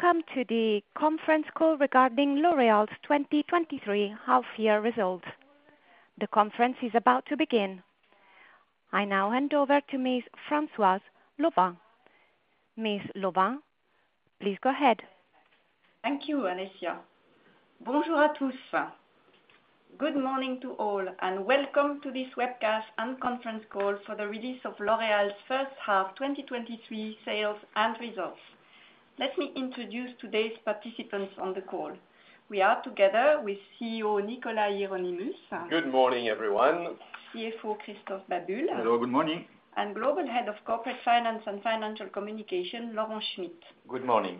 Welcome to the conference call regarding L'Oréal's 2023 half-year results. The conference is about to begin. I now hand over to Ms. Françoise Lauvin. Ms. Lauvin, please go ahead. Thank you, Alicia. Bonjour à tous. Good morning to all, and welcome to this webcast and conference call for the release of L'Oréal's first half 2023 sales and results. Let me introduce today's participants on the call. We are together with CEO, Nicolas Hieronimus. Good morning, everyone. CFO, Christophe Babule. Hello, good morning. Global Head of Corporate Finance and Financial Communication, Laurent Schmitt. Good morning.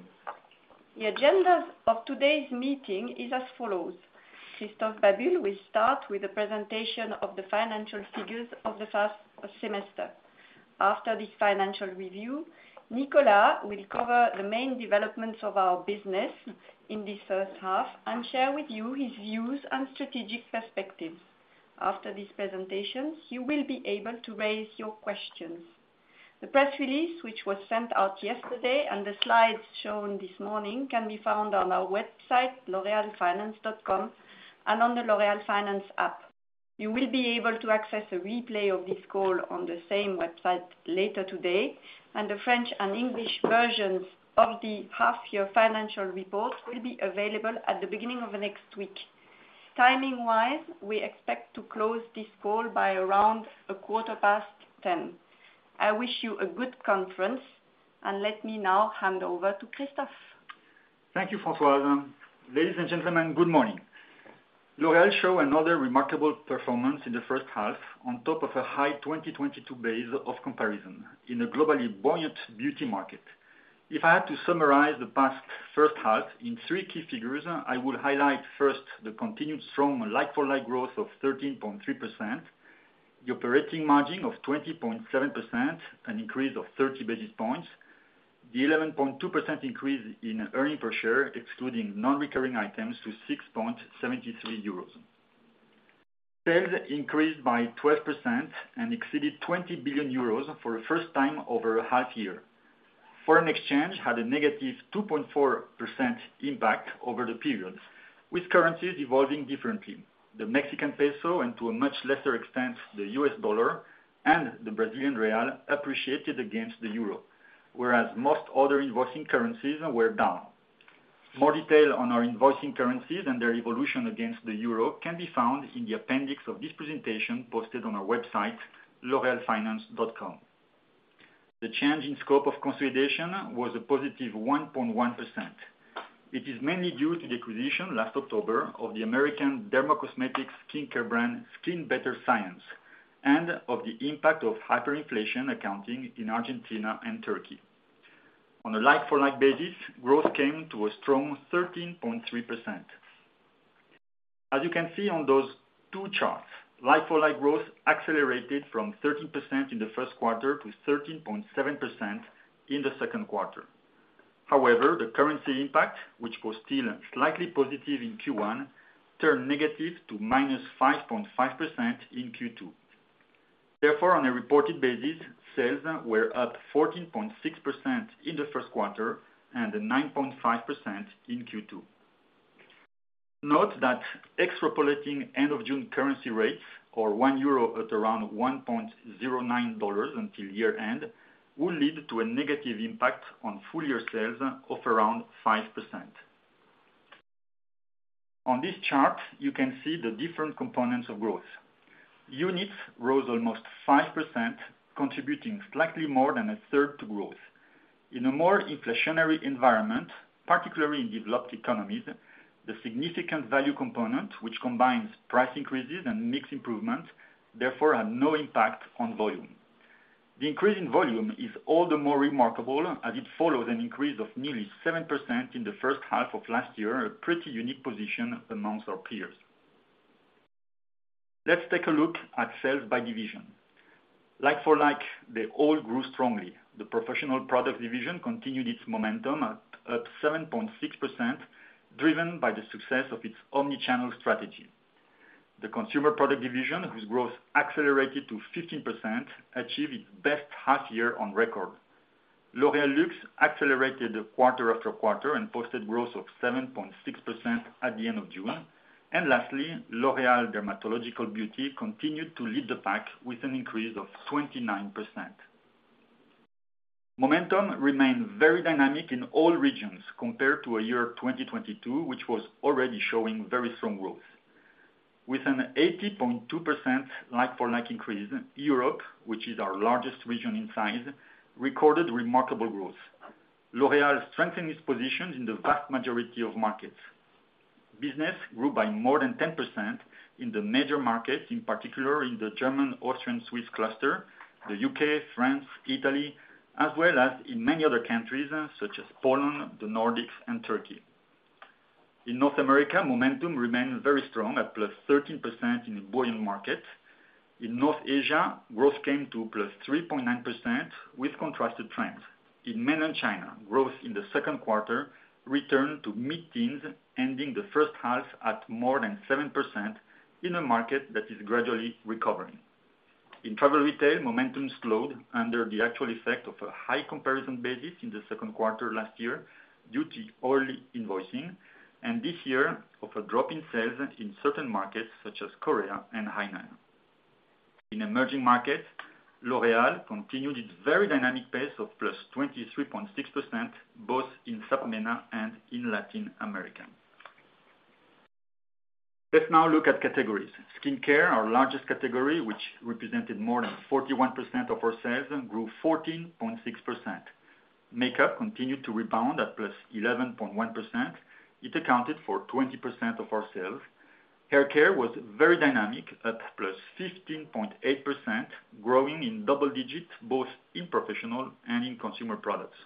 The agendas of today's meeting is as follows: Christophe Babule will start with a presentation of the financial figures of the first semester. After this financial review, Nicolas will cover the main developments of our business in this first half and share with you his views and strategic perspectives. After this presentation, you will be able to raise your questions. The press release, which was sent out yesterday, and the slides shown this morning, can be found on our website, loreal-finance.com, and on the L'Oréal Finance app. You will be able to access a replay of this call on the same website later today, and the French and English versions of the half-year financial report will be available at the beginning of next week. Timing-wise, we expect to close this call by around 10:15 A.M. I wish you a good conference, and let me now hand over to Christophe. Thank you, Françoise. Ladies and gentlemen, good morning. L'Oréal show another remarkable performance in the first half, on top of a high 2022 base of comparison in a globally buoyant beauty market. If I had to summarize the past first half in three key figures, I would highlight first, the continued strong like-for-like growth of 13.3%, the operating margin of 20.7%, an increase of 30 basis points, the 11.2% increase in earning per share, excluding non-recurring items to 6.73 euros. Sales increased by 12% and exceeded 20 billion euros for the first time over a half year. Foreign exchange had a negative 2.4% impact over the period, with currencies evolving differently. The Mexican peso, and to a much lesser extent, the U.S. dollar and the Brazilian real, appreciated against the euro, whereas most other invoicing currencies were down. More detail on our invoicing currencies and their evolution against the euro can be found in the appendix of this presentation, posted on our website, loreal-finance.com. The change in scope of consolidation was a positive 1.1%. It is mainly due to the acquisition last October of the American dermocosmetics skincare brand, Skinbetter Science, and of the impact of hyperinflation accounting in Argentina and Turkey. On a like-for-like basis, growth came to a strong 13.3%. As you can see on those two charts, like-for-like growth accelerated from 13% in the first quarter to 13.7% in the second quarter. However, the currency impact, which was still slightly positive in Q1, turned negative to -5.5% in Q2. Therefore, on a reported basis, sales were up 14.6% in the first quarter and 9.5% in Q2. Note that extrapolating end of June currency rates or 1 euro at around $1.09 until year-end, will lead to a negative impact on full-year sales of around 5%. On this chart, you can see the different components of growth. Units rose almost 5%, contributing slightly more than a third to growth. In a more inflationary environment, particularly in developed economies, the significant value component, which combines price increases and mix improvements, therefore had no impact on volume. The increase in volume is all the more remarkable as it follows an increase of nearly 7% in the first half of last year, a pretty unique position amongst our peers. Let's take a look at sales by division. Like-for-like, they all grew strongly. The Professional Products Division continued its momentum, up 7.6%, driven by the success of its omni-channel strategy. The Consumer Products Division, whose growth accelerated to 15%, achieved its best half year on record. L'Oréal Luxe accelerated quarter after quarter and posted growth of 7.6% at the end of June. Lastly, L'Oréal Dermatological Beauty continued to lead the pack with an increase of 29%. Momentum remained very dynamic in all regions compared to a year 2022, which was already showing very strong growth. With an 80.2% like-for-like increase, Europe, which is our largest region in size, recorded remarkable growth. L'Oréal strengthened its position in the vast majority of markets. Business grew by more than 10% in the major markets, in particular in the German, Austrian, Swiss cluster, the U.K., France, Italy, as well as in many other countries, such as Poland, the Nordics, and Turkey. In North America, momentum remained very strong at +13% in a buoyant market. In North Asia, growth came to +3.9% with contrasted trends. In Mainland China, growth in the second quarter returned to mid-teens, ending the first half at more than 7% in a market that is gradually recovering. In travel retail, momentum slowed under the actual effect of a high comparison basis in the second quarter last year, due to early invoicing, and this year, of a drop in sales in certain markets such as Korea and Hainan. In emerging markets, L'Oréal continued its very dynamic pace of +23.6%, both in SAPMENA and in Latin America. Let's now look at categories. Skincare, our largest category, which represented more than 41% of our sales, grew 14.6%. Makeup continued to rebound at +11.1%. It accounted for 20% of our sales. Hair care was very dynamic at +15.8%, growing in double digits, both in professional and in consumer products.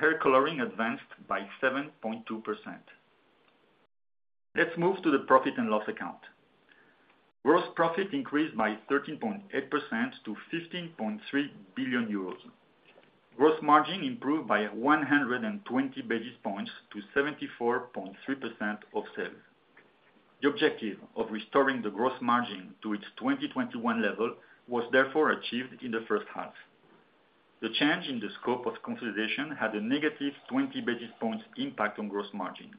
Hair coloring advanced by 7.2%. Let's move to the profit and loss account. Gross profit increased by 13.8% to 15.3 billion euros. Gross margin improved by 120 basis points to 74.3% of sales. The objective of restoring the gross margin to its 2021 level was therefore achieved in the first half. The change in the scope of consolidation had a negative 20 basis points impact on gross margin.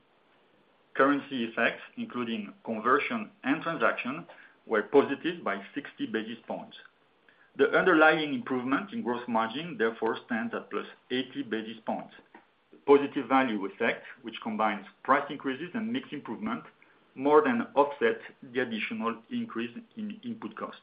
Currency effects, including conversion and transaction, were positive by 60 basis points. The underlying improvement in gross margin therefore stands at +80 basis points. Positive value effect, which combines price increases and mix improvement, more than offset the additional increase in input cost.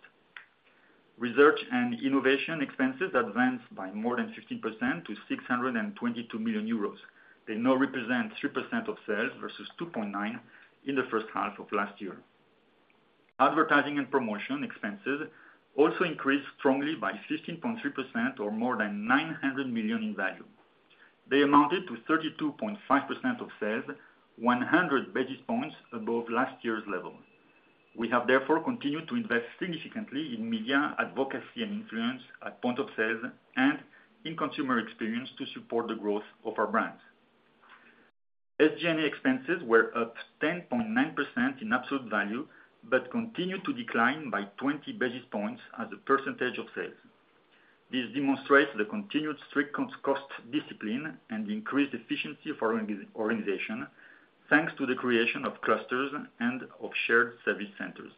Research and innovation expenses advanced by more than 15% to 622 million euros. They now represent 3% of sales versus 2.9 in the first half of last year. Advertising and promotion expenses also increased strongly by 15.3% or more than 900 million in value. They amounted to 32.5% of sales, 100 basis points above last year's level. We have therefore continued to invest significantly in media, advocacy and influence at point of sales, and in consumer experience to support the growth of our brands. SG&A expenses were up 10.9% in absolute value, but continued to decline by 20 basis points as a percentage of sales. This demonstrates the continued strict cost discipline and increased efficiency of our organization, thanks to the creation of clusters and of shared service centers.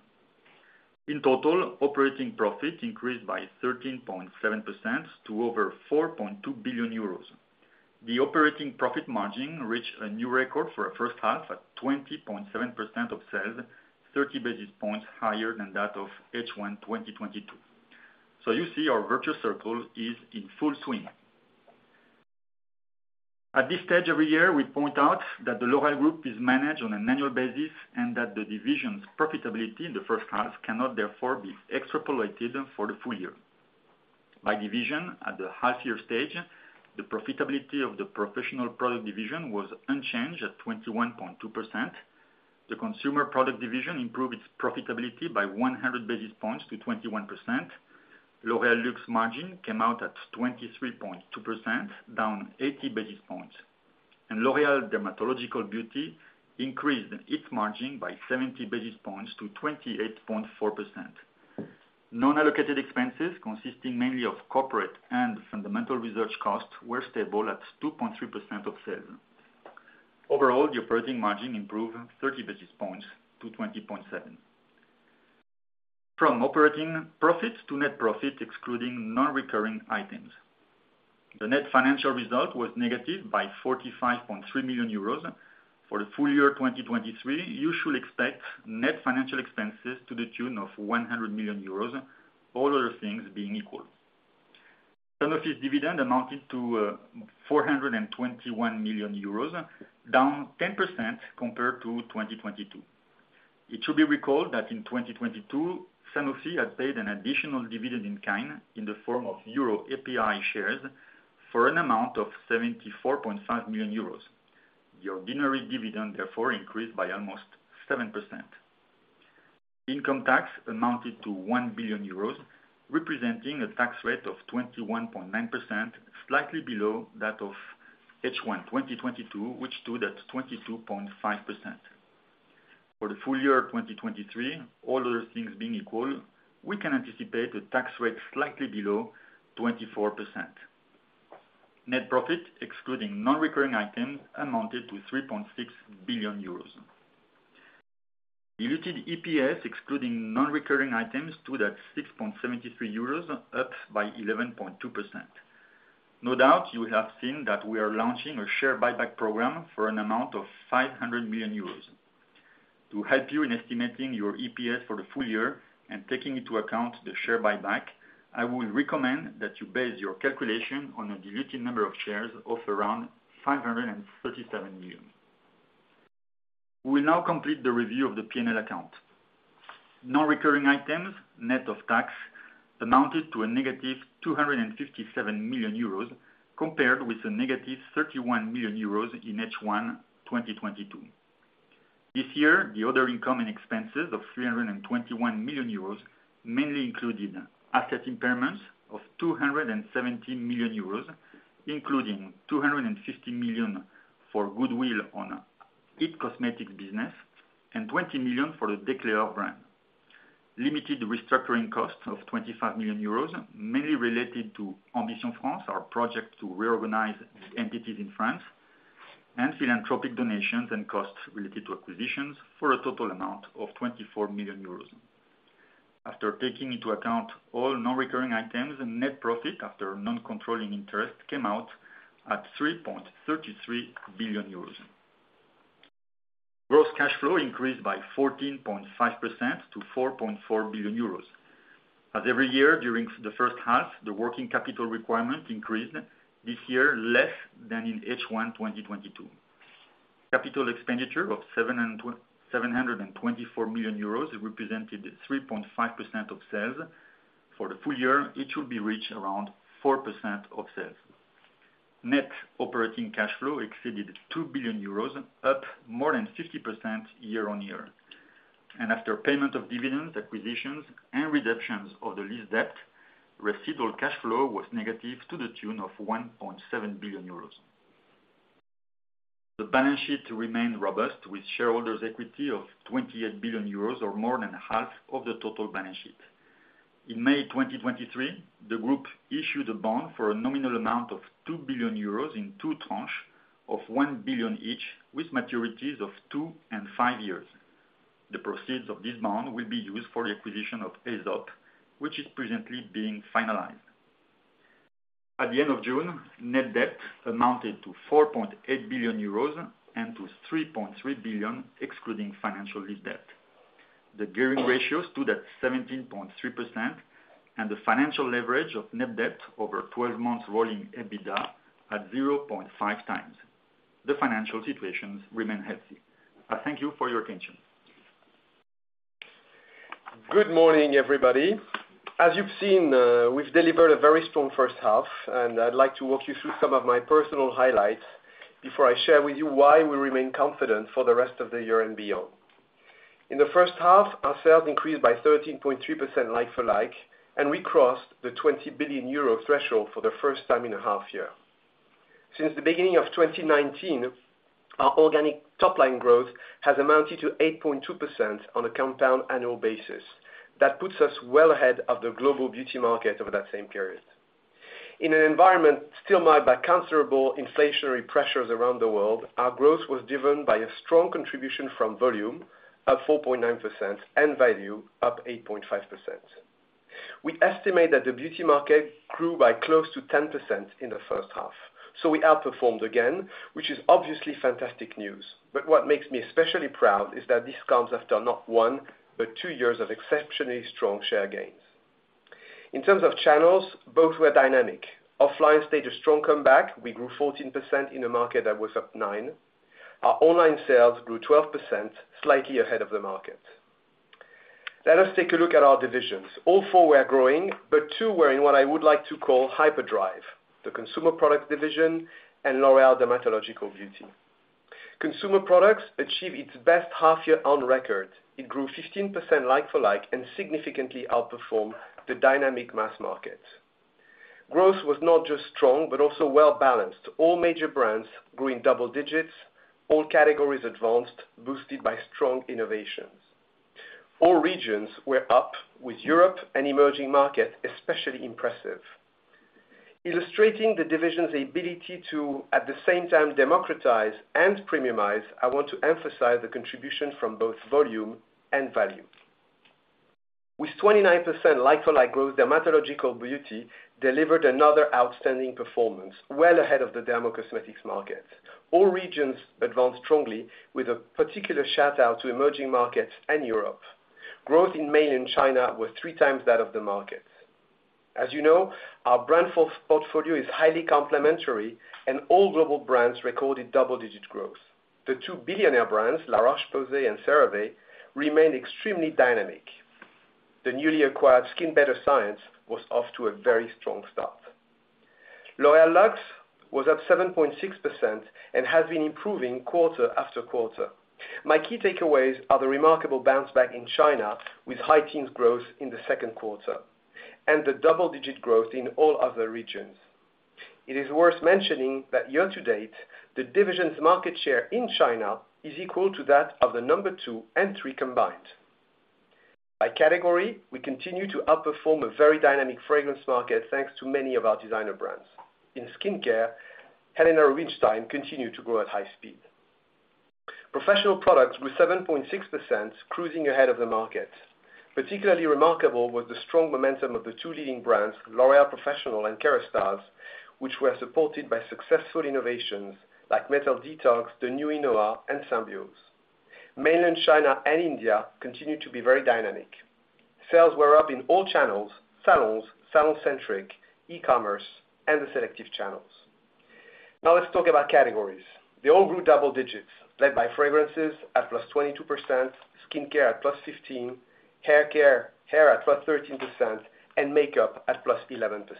In total, operating profit increased by 13.7% to over 4.2 billion euros. The operating profit margin reached a new record for a first half, at 20.7% of sales, 30 basis points higher than that of H1 2022. You see, our virtual circle is in full swing. At this stage, every year, we point out that the L'Oréal group is managed on an annual basis, and that the division's profitability in the first half cannot therefore be extrapolated for the full year. By division, at the half year stage, the profitability of the Professional Products Division was unchanged at 21.2%. The consumer product division improved its profitability by 100 basis points to 21%. L'Oréal Luxe margin came out at 23.2%, down 80 basis points. L'Oréal Dermatological Beauty increased its margin by 70 basis points to 28.4%. Non-allocated expenses, consisting mainly of corporate and fundamental research costs, were stable at 2.3% of sales. Overall, the operating margin improved 30 basis points to 20.7. From operating profit to net profit, excluding non-recurring items, the net financial result was negative by 45.3 million euros. For the full year 2023, you should expect net financial expenses to the tune of 100 million euros, all other things being equal. Sanofi's dividend amounted to 421 million euros, down 10% compared to 2022. It should be recalled that in 2022, Sanofi had paid an additional dividend in kind in the form of EUROAPI shares for an amount of 74.5 million euros. The ordinary dividend therefore increased by almost 7%. Income tax amounted to 1 billion euros, representing a tax rate of 21.9%, slightly below that of H1, 2022, which stood at 22.5%. For the full year 2023, all other things being equal, we can anticipate a tax rate slightly below 24%. Net profit, excluding non-recurring items, amounted to 3.6 billion euros. Diluted EPS, excluding non-recurring items, stood at 6.73 euros, up by 11.2%. No doubt you have seen that we are launching a share buyback program for an amount of 500 million euros. To help you in estimating your EPS for the full year and taking into account the share buyback, I will recommend that you base your calculation on a diluted number of shares of around 537 million. We will now complete the review of the P&L account. Non-recurring items, net of tax, amounted to a negative 257 million euros, compared with a negative 31 million euros in H1 2022. This year, the other income and expenses of 321 million euros, mainly included asset impairments of 270 million euros, including 250 million for goodwill on IT Cosmetics business, and 20 million for the Decléor brand. limited restructuring costs of 25 million euros, mainly related to Ambition France, our project to reorganize the entities in France, and philanthropic donations and costs related to acquisitions for a total amount of 24 million euros. After taking into account all non-recurring items, net profit after non-controlling interest came out at 3.33 billion euros. Gross cash flow increased by 14.5% to 4.4 billion euros. As every year, during the first half, the working capital requirement increased, this year less than in H1, 2022. Capital expenditure of 724 million euros represented 3.5% of sales. For the full year, it should be reached around 4% of sales. Net operating cash flow exceeded 2 billion euros, up more than 50% year-on-year. After payment of dividends, acquisitions, and redemptions of the lease debt, residual cash flow was negative to the tune of 1.7 billion euros. The balance sheet remained robust, with shareholders' equity of 28 billion euros, or more than half of the total balance sheet. In May 2023, the group issued a bond for a nominal amount of 2 billion euros in two tranches of 1 billion each, with maturities of two and five years. The proceeds of this bond will be used for the acquisition of Aesop, which is presently being finalized. At the end of June, net debt amounted to 4.8 billion euros and to 3.3 billion, excluding financial lease debt. The gearing ratio stood at 17.3%, and the financial leverage of net debt over 12 months rolling EBITDA at 0.5 times. The financial situations remain healthy. I thank you for your attention. Good morning, everybody. As you've seen, we've delivered a very strong first half. I'd like to walk you through some of my personal highlights before I share with you why we remain confident for the rest of the year and beyond. In the first half, our sales increased by 13.3% like for like, and we crossed the 20 billion euro threshold for the first time in a half year. Since the beginning of 2019, our organic top-line growth has amounted to 8.2% on a compound annual basis. That puts us well ahead of the global beauty market over that same period. In an environment still marked by considerable inflationary pressures around the world, our growth was driven by a strong contribution from volume, up 4.9%, and value, up 8.5%. We estimate that the beauty market grew by close to 10% in the first half, so we outperformed again, which is obviously fantastic news. What makes me especially proud is that this comes after not one, but two years of exceptionally strong share gains. In terms of channels, both were dynamic. Offline stayed a strong comeback. We grew 14% in a market that was up 9%. Our online sales grew 12%, slightly ahead of the market. Let us take a look at our divisions. All four were growing, but two were in what I would like to call hyperdrive, the Consumer Product division and L'Oréal Dermatological Beauty. Consumer Products achieved its best half year on record. It grew 15% like for like, and significantly outperformed the dynamic mass market. Growth was not just strong, but also well-balanced. All major brands grew in double digits. All categories advanced, boosted by strong innovations. All regions were up, with Europe and emerging markets especially impressive. Illustrating the division's ability to, at the same time, democratize and premiumize, I want to emphasize the contribution from both volume and value. With 29% like for like growth, L'Oréal Dermatological Beauty delivered another outstanding performance, well ahead of the dermocosmetics market. All regions advanced strongly, with a particular shout-out to emerging markets and Europe. Growth in mainland China was three times that of the market. As you know, our brand portfolio is highly complementary, and all global brands recorded double-digit growth. The two billionaire brands, La Roche-Posay and CeraVe, remained extremely dynamic. The newly acquired Skinbetter Science was off to a very strong start. L'Oréal Luxe was at 7.6% and has been improving quarter after quarter. My key takeaways are the remarkable bounce back in China, with high teens growth in the second quarter, and the double-digit growth in all other regions. It is worth mentioning that year to date, the division's market share in China is equal to that of the number two and three combined. By category, we continue to outperform a very dynamic fragrance market, thanks to many of our designer brands. In skincare, Helena Rubinstein continued to grow at high speed. Professional products grew 7.6%, cruising ahead of the market. Particularly remarkable was the strong momentum of the two leading brands, L'Oréal Professionnel and Kérastase, which were supported by successful innovations like Metal Detox, the new iNOA, and Symbiose. Mainland China and India continued to be very dynamic. Sales were up in all channels: salons, salon-centric, e-commerce, and the selective channels. Now, let's talk about categories. They all grew double digits, led by fragrances at +22%, skincare at +15%, haircare hair at +13%, and makeup at +11%.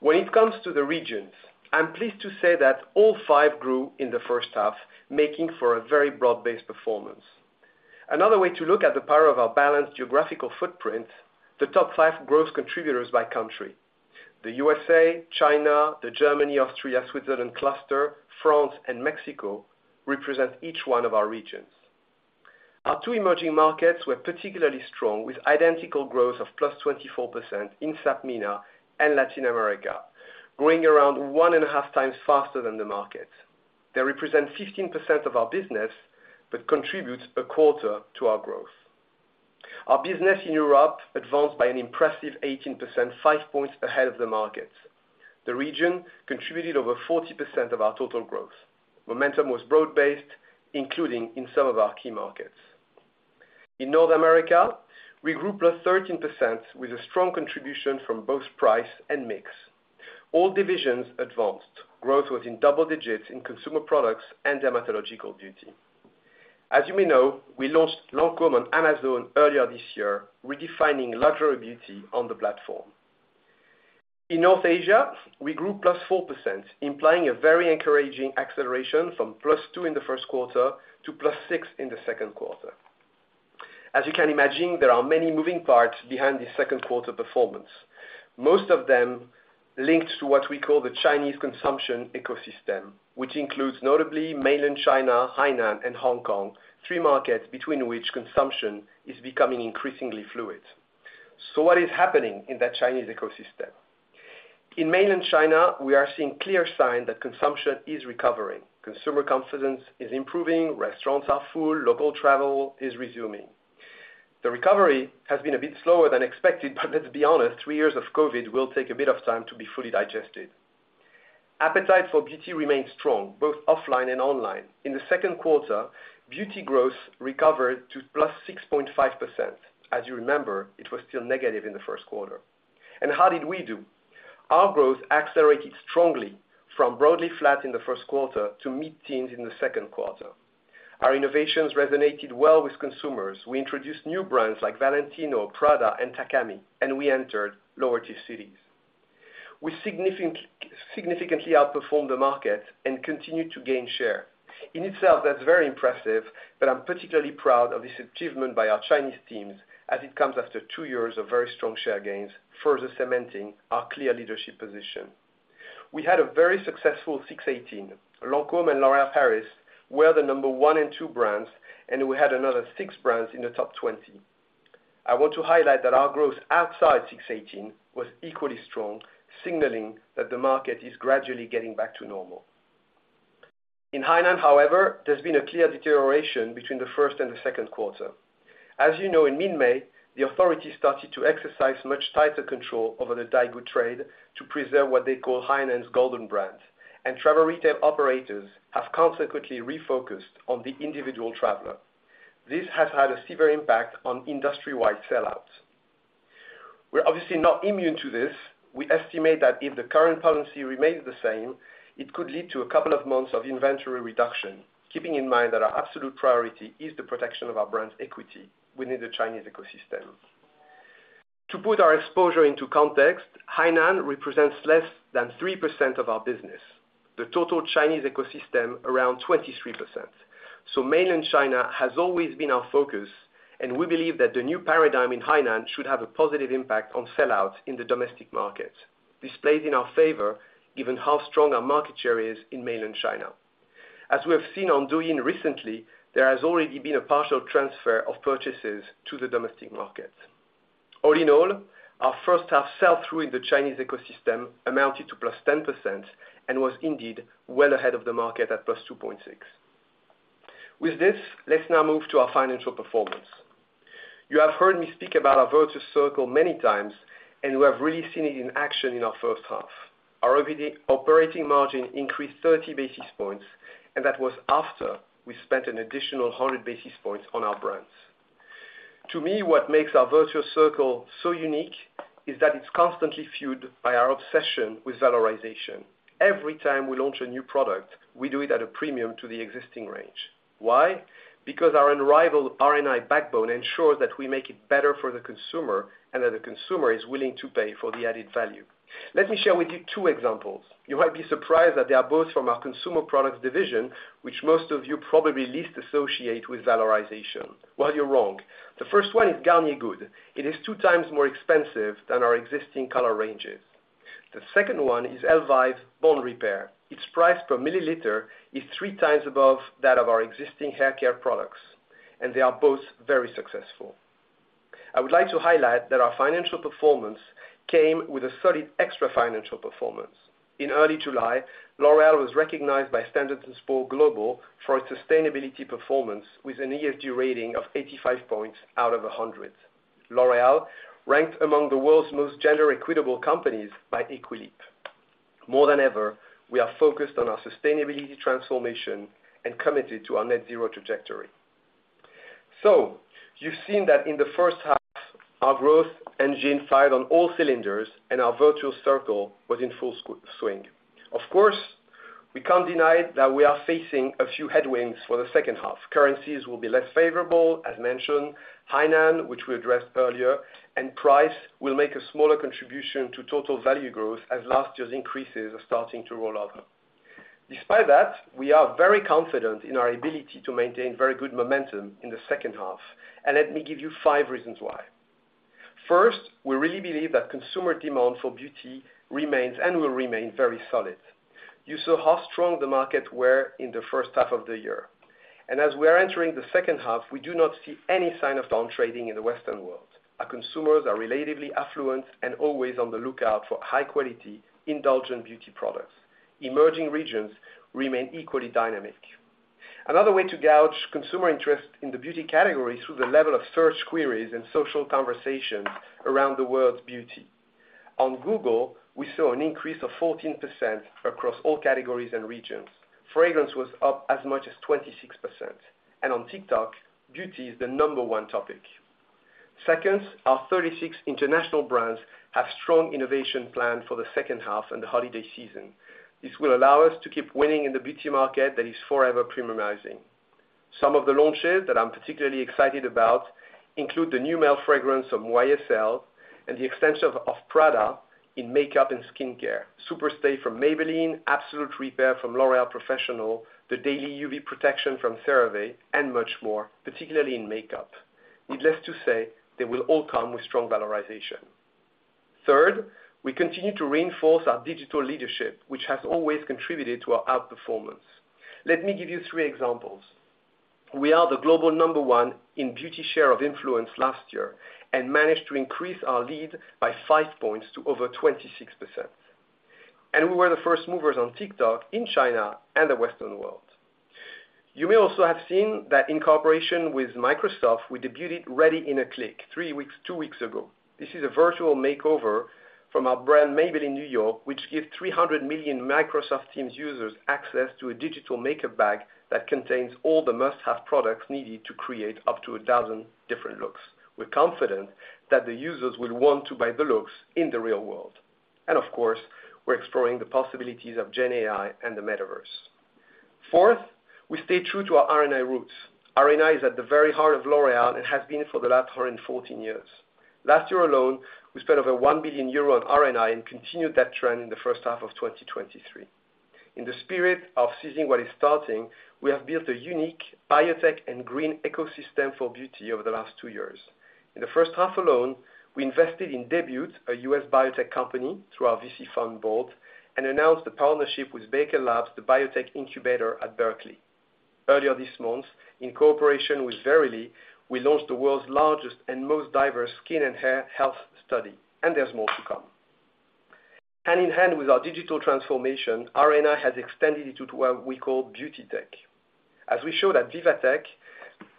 When it comes to the regions, I'm pleased to say that all five grew in the first half, making for a very broad-based performance. Another way to look at the power of our balanced geographical footprint, the top 5 growth contributors by country. The U.S.A., China, the German, Austrian, Swiss cluster, France and Mexico represent each one of our regions. Our two emerging markets were particularly strong, with identical growth of +24% in SAPMENA and Latin America, growing around 1.5 times faster than the market. They represent 15% of our business, but contribute a quarter to our growth. Our business in Europe advanced by an impressive 18%, 5 points ahead of the market. The region contributed over 40% of our total growth. Momentum was broad-based, including in some of our key markets. In North America, we grew +13% with a strong contribution from both price and mix. All divisions advanced. Growth was in double digits in consumer products and dermatological beauty. As you may know, we launched Lancôme on Amazon earlier this year, redefining luxury beauty on the platform. In North Asia, we grew +4%, implying a very encouraging acceleration from +2 in the first quarter to +6 in the second quarter. As you can imagine, there are many moving parts behind the second quarter performance, most of them linked to what we call the Chinese consumption ecosystem, which includes notably mainland China, Hainan, and Hong Kong, three markets between which consumption is becoming increasingly fluid. What is happening in that Chinese ecosystem? In mainland China, we are seeing clear signs that consumption is recovering. Consumer confidence is improving, restaurants are full, local travel is resuming. The recovery has been a bit slower than expected, but let's be honest, three years of Covid will take a bit of time to be fully digested. Appetite for beauty remains strong, both offline and online. In the second quarter, beauty growth recovered to +6.5%. As you remember, it was still negative in the first quarter. How did we do? Our growth accelerated strongly from broadly flat in the first quarter to mid-teens in the second quarter. Our innovations resonated well with consumers. We introduced new brands like Valentino, Prada, and Takami, and we entered lower tier cities. We significantly outperformed the market and continued to gain share. In itself, that's very impressive, but I'm particularly proud of this achievement by our Chinese teams as it comes after two years of very strong share gains, further cementing our clear leadership position. We had a very successful 618. Lancôme and L'Oréal Paris were the number one and two brands, and we had another six brands in the top 20. I want to highlight that our growth outside 618 was equally strong, signaling that the market is gradually getting back to normal. In Hainan, however, there's been a clear deterioration between the first and the second quarter. As you know, in mid-May, the authorities started to exercise much tighter control over the daigou trade to preserve what they call Hainan's Golden Brand, and travel retail operators have consequently refocused on the individual traveler. This has had a severe impact on industry-wide sellouts. We're obviously not immune to this. We estimate that if the current policy remains the same, it could lead to a couple of months of inventory reduction, keeping in mind that our absolute priority is the protection of our brand's equity within the Chinese ecosystem. To put our exposure into context, Hainan represents less than 3% of our business, the total Chinese ecosystem around 23%. Mainland China has always been our focus, and we believe that the new paradigm in Hainan should have a positive impact on sellouts in the domestic market. This plays in our favor, given how strong our market share is in mainland China. As we have seen on Douyin recently, there has already been a partial transfer of purchases to the domestic market. All in all, our first half sell-through in the Chinese ecosystem amounted to +10% and was indeed well ahead of the market at +2.6%. With this, let's now move to our financial performance. You have heard me speak about our virtuous circle many times, we have really seen it in action in our first half. Our OVD, operating margin increased 30 basis points, that was after we spent an additional 100 basis points on our brands. To me, what makes our virtuous circle so unique is that it's constantly fueled by our obsession with valorization. Every time we launch a new product, we do it at a premium to the existing range. Why? Because our unrivaled R&I backbone ensures that we make it better for the consumer and that the consumer is willing to pay for the added value. Let me share with you two examples. You might be surprised that they are both from our consumer products division, which most of you probably least associate with valorization. Well, you're wrong. The first one is Garnier Good. It is two times more expensive than our existing color ranges. The second one is Elvive Bond Repair. Its price per milliliter is three times above that of our existing haircare products, and they are both very successful. I would like to highlight that our financial performance came with a solid extra financial performance. In early July, L'Oréal was recognized by S&P Global for its sustainability performance with an ESG rating of 85 points out of 100. L'Oréal ranked among the world's most gender equitable companies by Equileap. More than ever, we are focused on our sustainability transformation and committed to our net zero trajectory. You've seen that in the first half, our growth engine fired on all cylinders and our virtual circle was in full swing. Of course, we can't deny that we are facing a few headwinds for the second half. Currencies will be less favorable, as mentioned, Hainan, which we addressed earlier, and price will make a smaller contribution to total value growth as last year's increases are starting to roll out. Despite that, we are very confident in our ability to maintain very good momentum in the second half, and let me give you five reasons why. First, we really believe that consumer demand for beauty remains and will remain very solid. You saw how strong the markets were in the first half of the year, and as we are entering the second half, we do not see any sign of down trading in the Western world. Our consumers are relatively affluent and always on the lookout for high quality, indulgent beauty products. Emerging regions remain equally dynamic. Another way to gauge consumer interest in the beauty category is through the level of search queries and social conversations around the world's beauty. On Google, we saw an increase of 14% across all categories and regions. Fragrance was up as much as 26%, and on TikTok, beauty is the number one topic. Second, our 36 international brands have strong innovation planned for the second half and the holiday season. This will allow us to keep winning in the beauty market that is forever premiumizing. Some of the launches that I'm particularly excited about include the new male fragrance from YSL and the extension of Prada in makeup and skincare. Super Stay from Maybelline, Absolut Repair from L'Oréal Professionnel, the daily UV protection from CeraVe, and much more, particularly in makeup. Needless to say, they will all come with strong valorization. Third, we continue to reinforce our digital leadership, which has always contributed to our outperformance. Let me give you three examples. We are the global number one in beauty share of influence last year, and managed to increase our lead by five points to over 26%. We were the first movers on TikTok in China and the Western world. You may also have seen that in cooperation with Microsoft, we debuted Ready in a Click, three weeks, two weeks ago. This is a virtual makeover from our brand, Maybelline New York, which gives 300 million Microsoft Teams users access to a digital makeup bag that contains all the must-have products needed to create up to 1,000 different looks. We're confident that the users will want to buy the looks in the real world. Of course, we're exploring the possibilities of GenAI and the metaverse. Fourth, we stay true to our R&I roots. R&I is at the very heart of L'Oréal and has been for the last 114 years. Last year alone, we spent over 1 billion euro on R&I and continued that trend in the first half of 2023. In the spirit of seizing what is starting, we have built a unique biotech and green ecosystem for beauty over the last two years. In the first half alone, we invested in Debut, a U.S. biotech company, through our VC fund BOLD, and announced a partnership with Bakar Labs, the biotech incubator at Berkeley. Earlier this month, in cooperation with Verily, we launched the world's largest and most diverse skin and hair health study, and there's more to come. Hand in hand with our digital transformation, R&I has extended into what we call beauty tech. As we showed at VivaTech,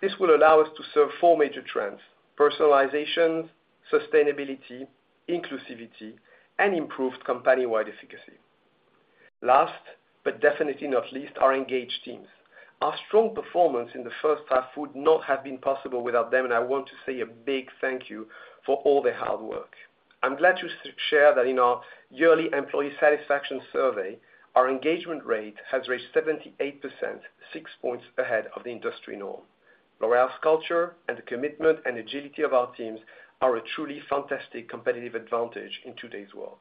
this will allow us to serve four major trends: personalization, sustainability, inclusivity, and improved company-wide efficacy. Last, but definitely not least, our engaged teams. Our strong performance in the first half would not have been possible without them, and I want to say a big thank you for all their hard work. I'm glad to share that in our yearly employee satisfaction survey, our engagement rate has reached 78%, 6 points ahead of the industry norm. L'Oréal's culture and the commitment and agility of our teams are a truly fantastic competitive advantage in today's world.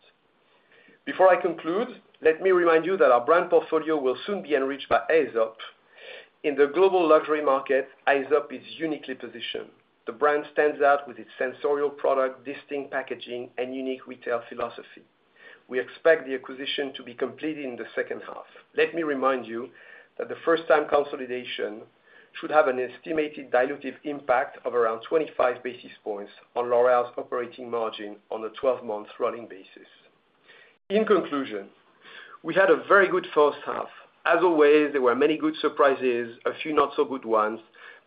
Before I conclude, let me remind you that our brand portfolio will soon be enriched by Aesop. In the global luxury market, Aesop is uniquely positioned. The brand stands out with its sensorial product, distinct packaging, and unique retail philosophy. We expect the acquisition to be completed in the second half. Let me remind you that the first time consolidation should have an estimated dilutive impact of around 25 basis points on L'Oréal's operating margin on a 12-month running basis. In conclusion, we had a very good first half. As always, there were many good surprises, a few not-so-good ones.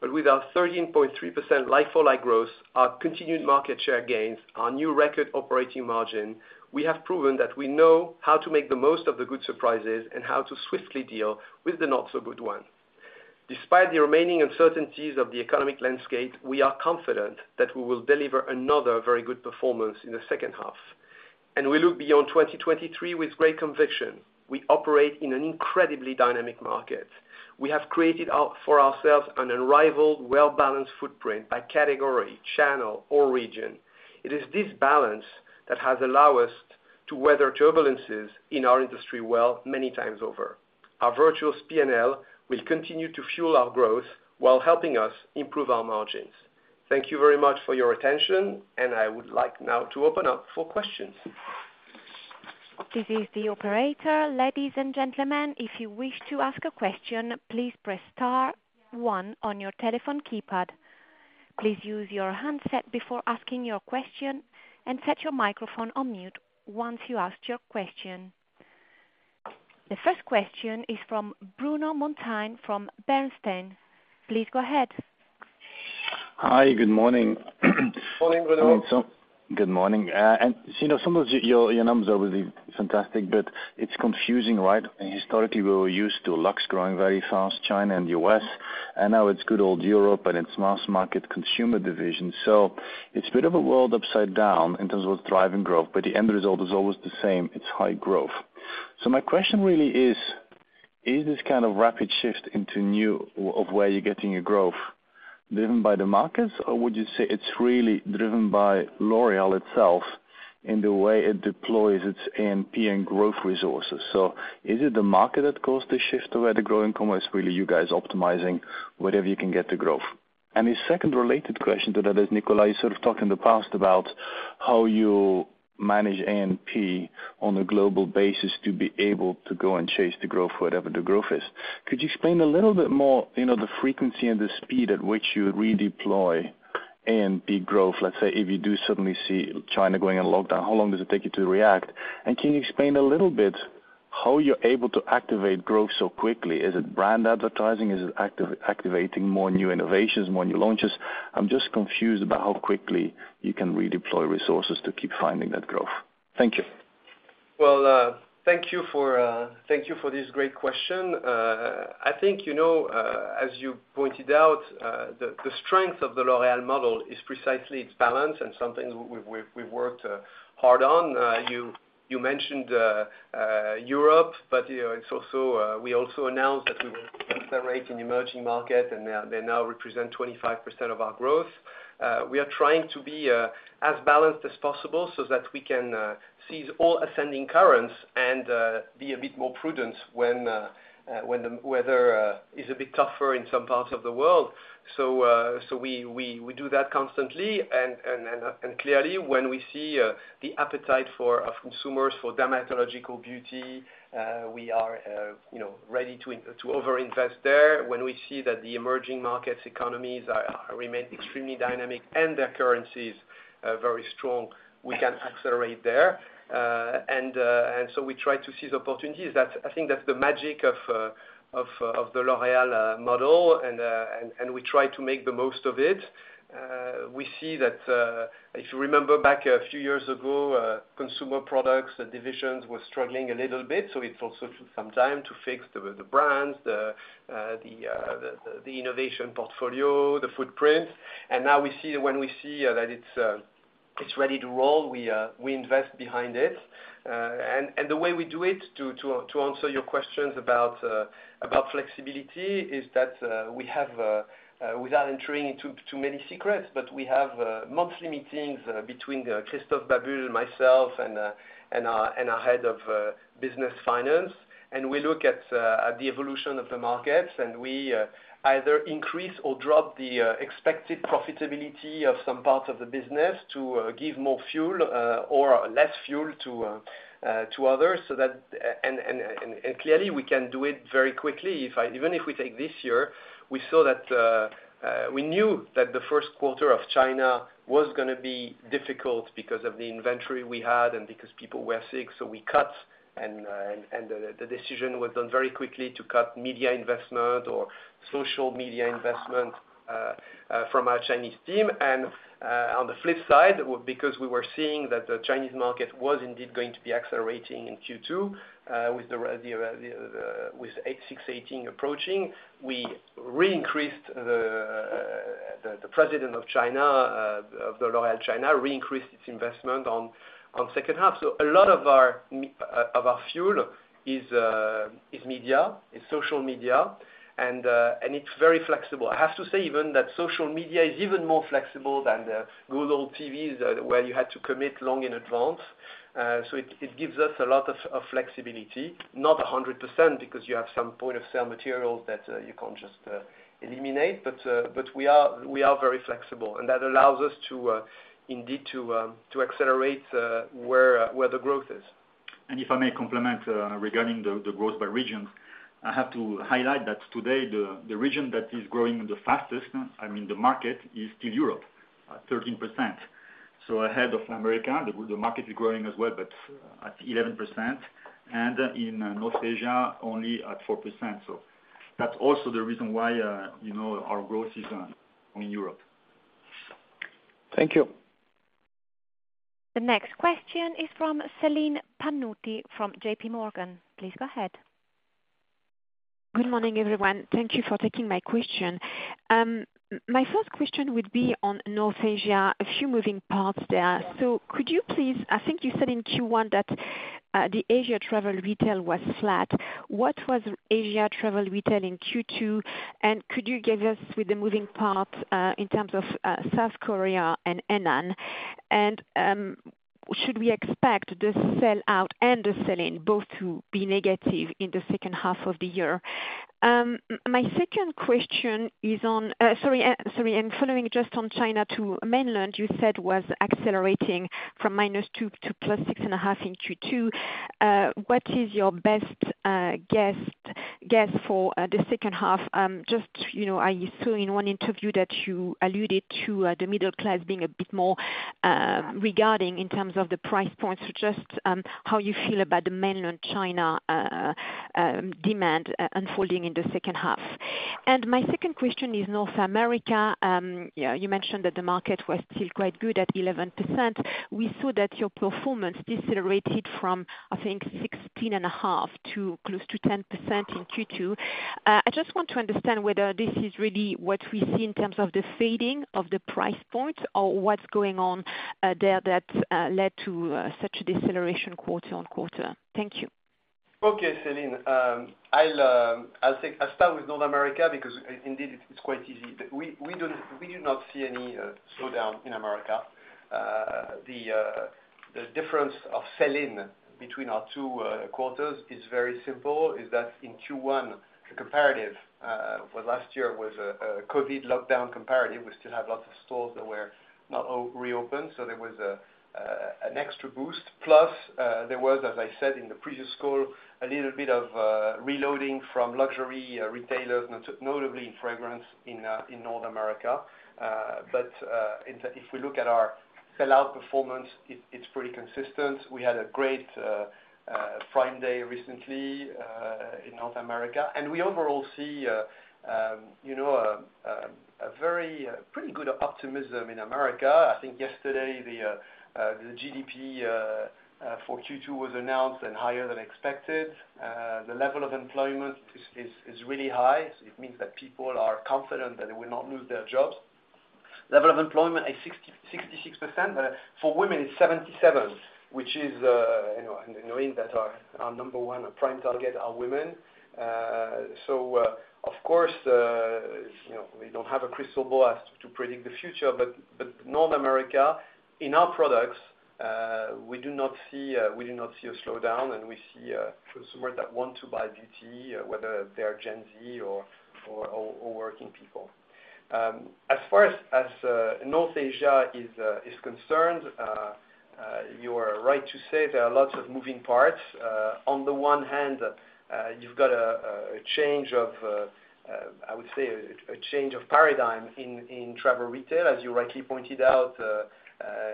With our 13.3% like-for-like growth, our continued market share gains, our new record operating margin, we have proven that we know how to make the most of the good surprises and how to swiftly deal with the not-so-good one. Despite the remaining uncertainties of the economic landscape, we are confident that we will deliver another very good performance in the second half. We look beyond 2023 with great conviction. We operate in an incredibly dynamic market. We have created for ourselves an unrivaled, well-balanced footprint by category, channel or region. It is this balance that has allow us to weather turbulences in our industry well many times over. Our virtuous P&L will continue to fuel our growth while helping us improve our margins. Thank you very much for your attention, and I would like now to open up for questions. This is the operator. Ladies and gentlemen, if you wish to ask a question, please press star 1 on your telephone keypad. Please use your handset before asking your question and set your microphone on mute once you asked your question. The first question is from Bruno Monteyne from Bernstein. Please go ahead. Hi, good morning. Morning, Bruno. Good morning. So you know, some of your, your, your numbers are really fantastic, It's confusing, right? Historically, we were used to Luxe growing very fast, China and U.S., and now it's good old Europe and its mass market consumer division. It's a bit of a world upside down in terms of driving growth, but the end result is always the same: it's high growth. My question really is, is this kind of rapid shift into new, of where you're getting your growth driven by the markets, or would you say it's really driven by L'Oréal itself in the way it deploys its A&P and growth resources? Is it the market that caused the shift of where the growing commerce, or really you guys optimizing whatever you can get to growth? The second related question to that is, Nicolas, you sort of talked in the past about how you manage A&P on a global basis to be able to go and chase the growth, wherever the growth is. Could you explain a little bit more, you know, the frequency and the speed at which you redeploy A&P growth? Let's say, if you do suddenly see China going on lockdown, how long does it take you to react? Can you explain a little bit how you're able to activate growth so quickly? Is it brand advertising? Is it activating more new innovations, more new launches? I'm just confused about how quickly you can redeploy resources to keep finding that growth. Thank you. Well, thank you for this great question. I think, you know, as you pointed out, the, the strength of the L'Oréal model is precisely its balance and something we've, we've, we've worked hard on. You mentioned Europe, but, you know, we also announced that we will accelerate in emerging markets, and they now represent 25% of our growth. We are trying to be as balanced as possible so that we can seize all ascending currents and be a bit more prudent when the weather is a bit tougher in some parts of the world. We do that constantly, and clearly, when we see the appetite for our consumers for dermatological beauty, we are, you know, ready to overinvest there. When we see that the emerging markets economies are remain extremely dynamic and their currencies are very strong, we can accelerate there. We try to seize opportunities. I think that's the magic of L'Oréal model, and we try to make the most of it. We see that if you remember back a few years ago, consumer products, the divisions were struggling a little bit, so it took also some time to fix the brands, the innovation portfolio, the footprint. Now we see-- when we see that iit's ready to roll, we, we invest behind it. The way we do it, to answer your questions about flexibility, is that we have, without entering into too many secrets, but we have monthly meetings between Christophe Babule and myself and our, and our head of business finance. We look at the evolution of the markets, and we either increase or drop the expected profitability of some parts of the business to give more fuel or less fuel to others so that. Clearly, we can do it very quickly. If I even if we take this year, we knew that the first quarter of China was gonna be difficult because of the inventory we had and because people were sick, so we cut, and the decision was done very quickly to cut media investment or social media investment from our Chinese team. On the flip side, because we were seeing that the Chinese market was indeed going to be accelerating in Q2, with 618 approaching, we reincreased the president of China, of the L'Oréal China, reincreased its investment on second half. A lot of our fuel is media, is social media, and it's very flexible. I have to say even that social media is even more flexible than the good old TVs, where you had to commit long in advance. It gives us a lot of flexibility. Not 100%, because you have some point of sale materials that you can't just eliminate, but we are very flexible, and that allows us to indeed to accelerate where the growth is. If I may complement, regarding the growth by region, I have to highlight that today, the region that is growing the fastest, I mean, the market is still Europe, at 13%. Ahead of America, the market is growing as well, but at 11%, and in North Asia, only at 4%. That's also the reason why, you know, our growth is in Europe. Thank you. The next question is from Céline Pannuti, from J.P. Morgan. Please go ahead. Good morning, everyone. Thank you for taking my question. My first question would be on North Asia, a few moving parts there. Could you please.. I think you said in Q1 that the Asia travel retail was flat. What was Asia travel retail in Q2, and could you give us with the moving parts in terms of South Korea and Hainan? Should we expect the sell out and the sell-in both to be negative in the second half of the year? My second question is on, sorry, I'm following just on China to Mainland, you said was accelerating from -2 to +6.5 in Q2. What is your best guess for the second half? Just, you know, I saw in one interview that you alluded to the middle class being a bit more regarding in terms of the price points. Just how you feel about the mainland China demand unfolding in the second half? Second question is North America. Yeah, you mentioned that the market was still quite good at 11%. We saw that your performance decelerated from, I think, 16.5% to close to 10% in Q2. I just want to understand whether this is really what we see in terms of the fading of the price points, or what's going on there that led to such a deceleration quarter-on-quarter? Thank you. Okay, Céline, I'll start with North America, because, indeed, it's quite easy. We do not see any slowdown in America. The difference of sell-in between our two quarters is very simple, is that in Q1, the comparative for last year was a COVID lockdown comparative. We still had lots of stores that were not all reopened, so there was an extra boost. There was, as I said in the previous call, a little bit of reloading from luxury retailers, notably in fragrance in North America. In fact, if we look at our sellout performance, it's pretty consistent. We had a great Prime Day recently in North America, and we overall see, you know, a very pretty good optimism in America. I think yesterday, the GDP for Q2 was announced and higher than expected. The level of employment is really high, so it means that people are confident that they will not lose their jobs. Level of employment is 66%. For women, it's 77%, which is, you know, and knowing that our number one prime target are women. Of course, you know, we don't have a crystal ball as to predict the future, but North America, in our products, we do not see a slowdown, and we see consumers that want to buy beauty, whether they are Gen Z or working people. As far as North Asia is concerned, you are right to say there are lots of moving parts. On the one hand, you've got a change of... I would say, a change of paradigm in travel retail. As you rightly pointed out,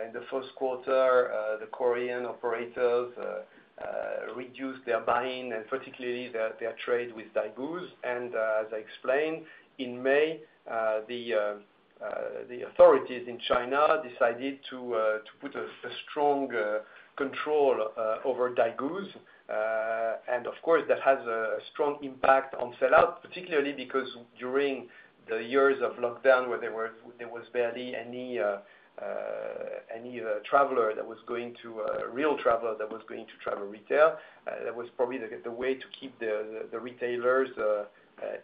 in the first quarter, the Korean operators reduced their buying and particularly their trade with Daigou. As I explained, in May, the authorities in China decided to put a strong control over daigou. Of course, that has a strong impact on sellout, particularly because during the years of lockdown where there was barely any traveler that was going to real traveler that was going to travel retail, that was probably the way to keep the retailers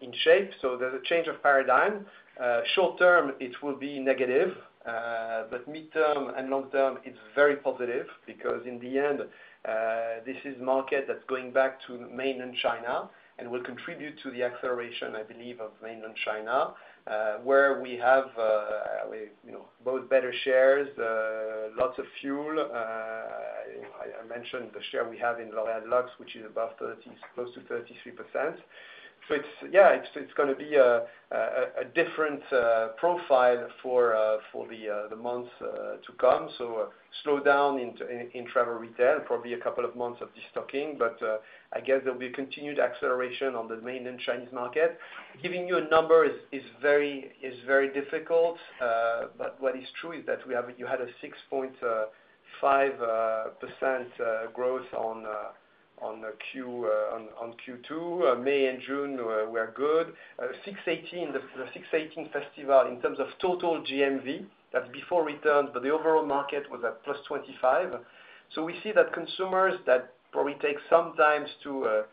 in shape. There's a change of paradigm. Short term, it will be negative, but mid-term and long term, it's very positive because in the end, this is market that's going back to Mainland China and will contribute to the acceleration, I believe, of Mainland China, where we have, you know, both better shares, lots of fuel. I mentioned the share we have in L'Oréal Luxe, which is above 30, close to 33%. Yeah, it's gonna be a different profile for the months to come. A slowdown in travel retail, probably a couple of months of destocking, but I guess there'll be continued acceleration on the Mainland Chinese market. Giving you a number is very difficult, but what is true is that you had a 6.5% growth on Q2. May and June were good. 618, the 618 festival in terms of total GMV, that's before returns, but the overall market was at +25%. We see that consumers that probably take some time to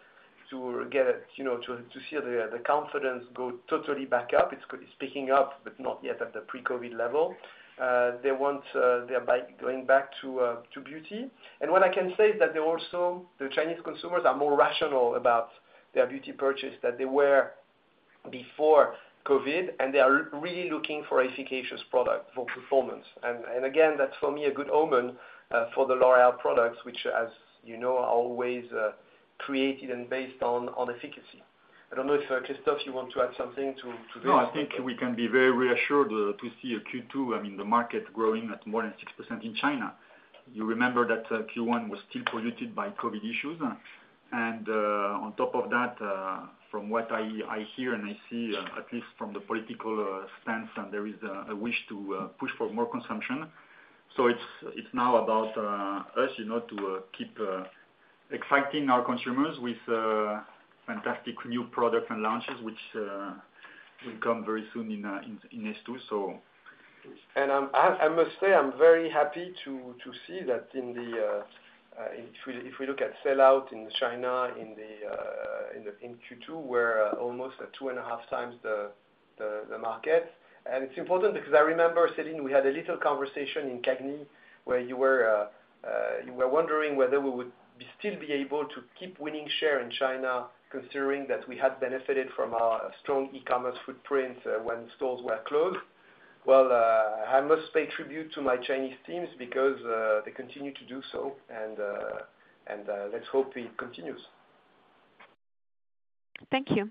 get, you know, to see the confidence go totally back up. It's picking up, but not yet at the pre-COVID level. They want, they are going back to beauty. What I can say is that they also, the Chinese consumers are more rational about their beauty purchase than they were before COVID, and they are really looking for efficacious product for performance. Again, that's, for me, a good omen for the L'Oréal products, which, as you know, are always created and based on, on efficacy. I don't know if Christophe, you want to add something to, to this? No, I think we can be very reassured, to see a Q2, I mean, the market growing at more than 6% in China. You remember that, Q1 was still polluted by COVID issues. On top of that, from what I hear and I see, at least from the political stance, and there is a wish to push for more consumption. It's now about us, you know, to keep exciting our consumers with fantastic new product and launches, which will come very soon in S2. I must say, I'm very happy to see that in the... if we look at sellout in China, in Q2, we're almost at 2.5 times the market. It's important because I remember sitting, we had a little conversation in Cagny, where you were wondering whether we would be still be able to keep winning share in China, considering that we had benefited from our strong e-commerce footprint when stores were closed. Well, I must pay tribute to my Chinese teams because they continue to do so, and and let's hope it continues. Thank you.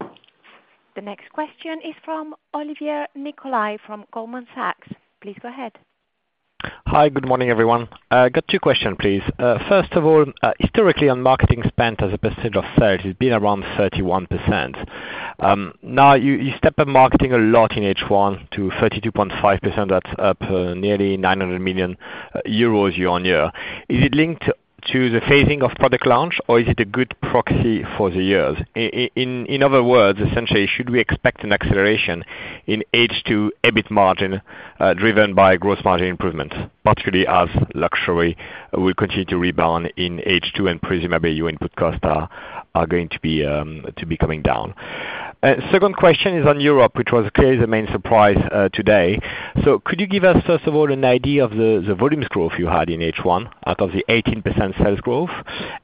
The next question is from Olivier Nicolai, from Goldman Sachs. Please go ahead. Hi, good morning, everyone. I got two question, please. First of all, historically, on marketing spend as a percentage of sales, it's been around 31%. Now, you step up marketing a lot in H1 to 32.5%. That's up nearly 900 million euros year-on-year. Is it linked to the phasing of product launch, or is it a good proxy for the years? In other words, essentially, should we expect an acceleration in H2 EBIT margin, driven by growth margin improvement, particularly as luxury will continue to rebound in H2, and presumably, your input costs are, are going to be, to be coming down? Second question is on Europe, which was clearly the main surprise today. Could you give us, first of all, an idea of the volumes growth you had in H1 out of the 18% sales growth?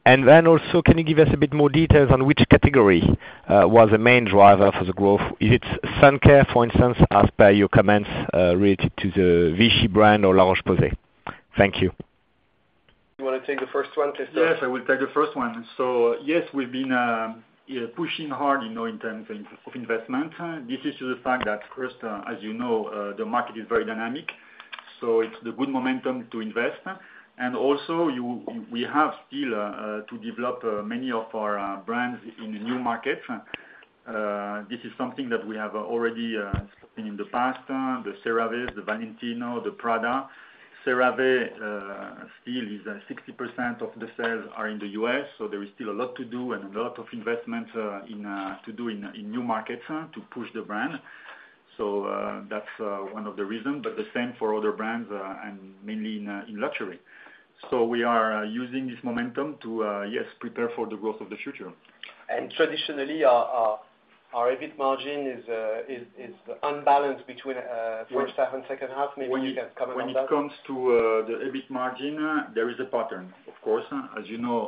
Then also, can you give us a bit more details on which category was the main driver for the growth? Is it sun care, for instance, as per your comments, related to the Vichy brand or La Roche-Posay? Thank you. You want to take the first one, Christophe? Yes, I will take the first one. Yes, we've been pushing hard, you know, in terms of investment. This is due to the fact that first, as you know, the market is very dynamic, so it's the good momentum to invest. Also we have still to develop many of our brands in the new market. This is something that we have already seen in the past, the CeraVe, the Valentino, the Prada. CeraVe still is 60% of the sales are in the U.S., so there is still a lot to do and a lot of investment to do in new markets to push the brand. That's one of the reasons, but the same for other brands, and mainly in luxury. We are using this momentum to, yes, prepare for the growth of the future. Traditionally, our EBIT margin is unbalanced between- Yes -first half and second half. Maybe you can comment on that. When it comes to the EBIT margin, there is a pattern, of course. As you know,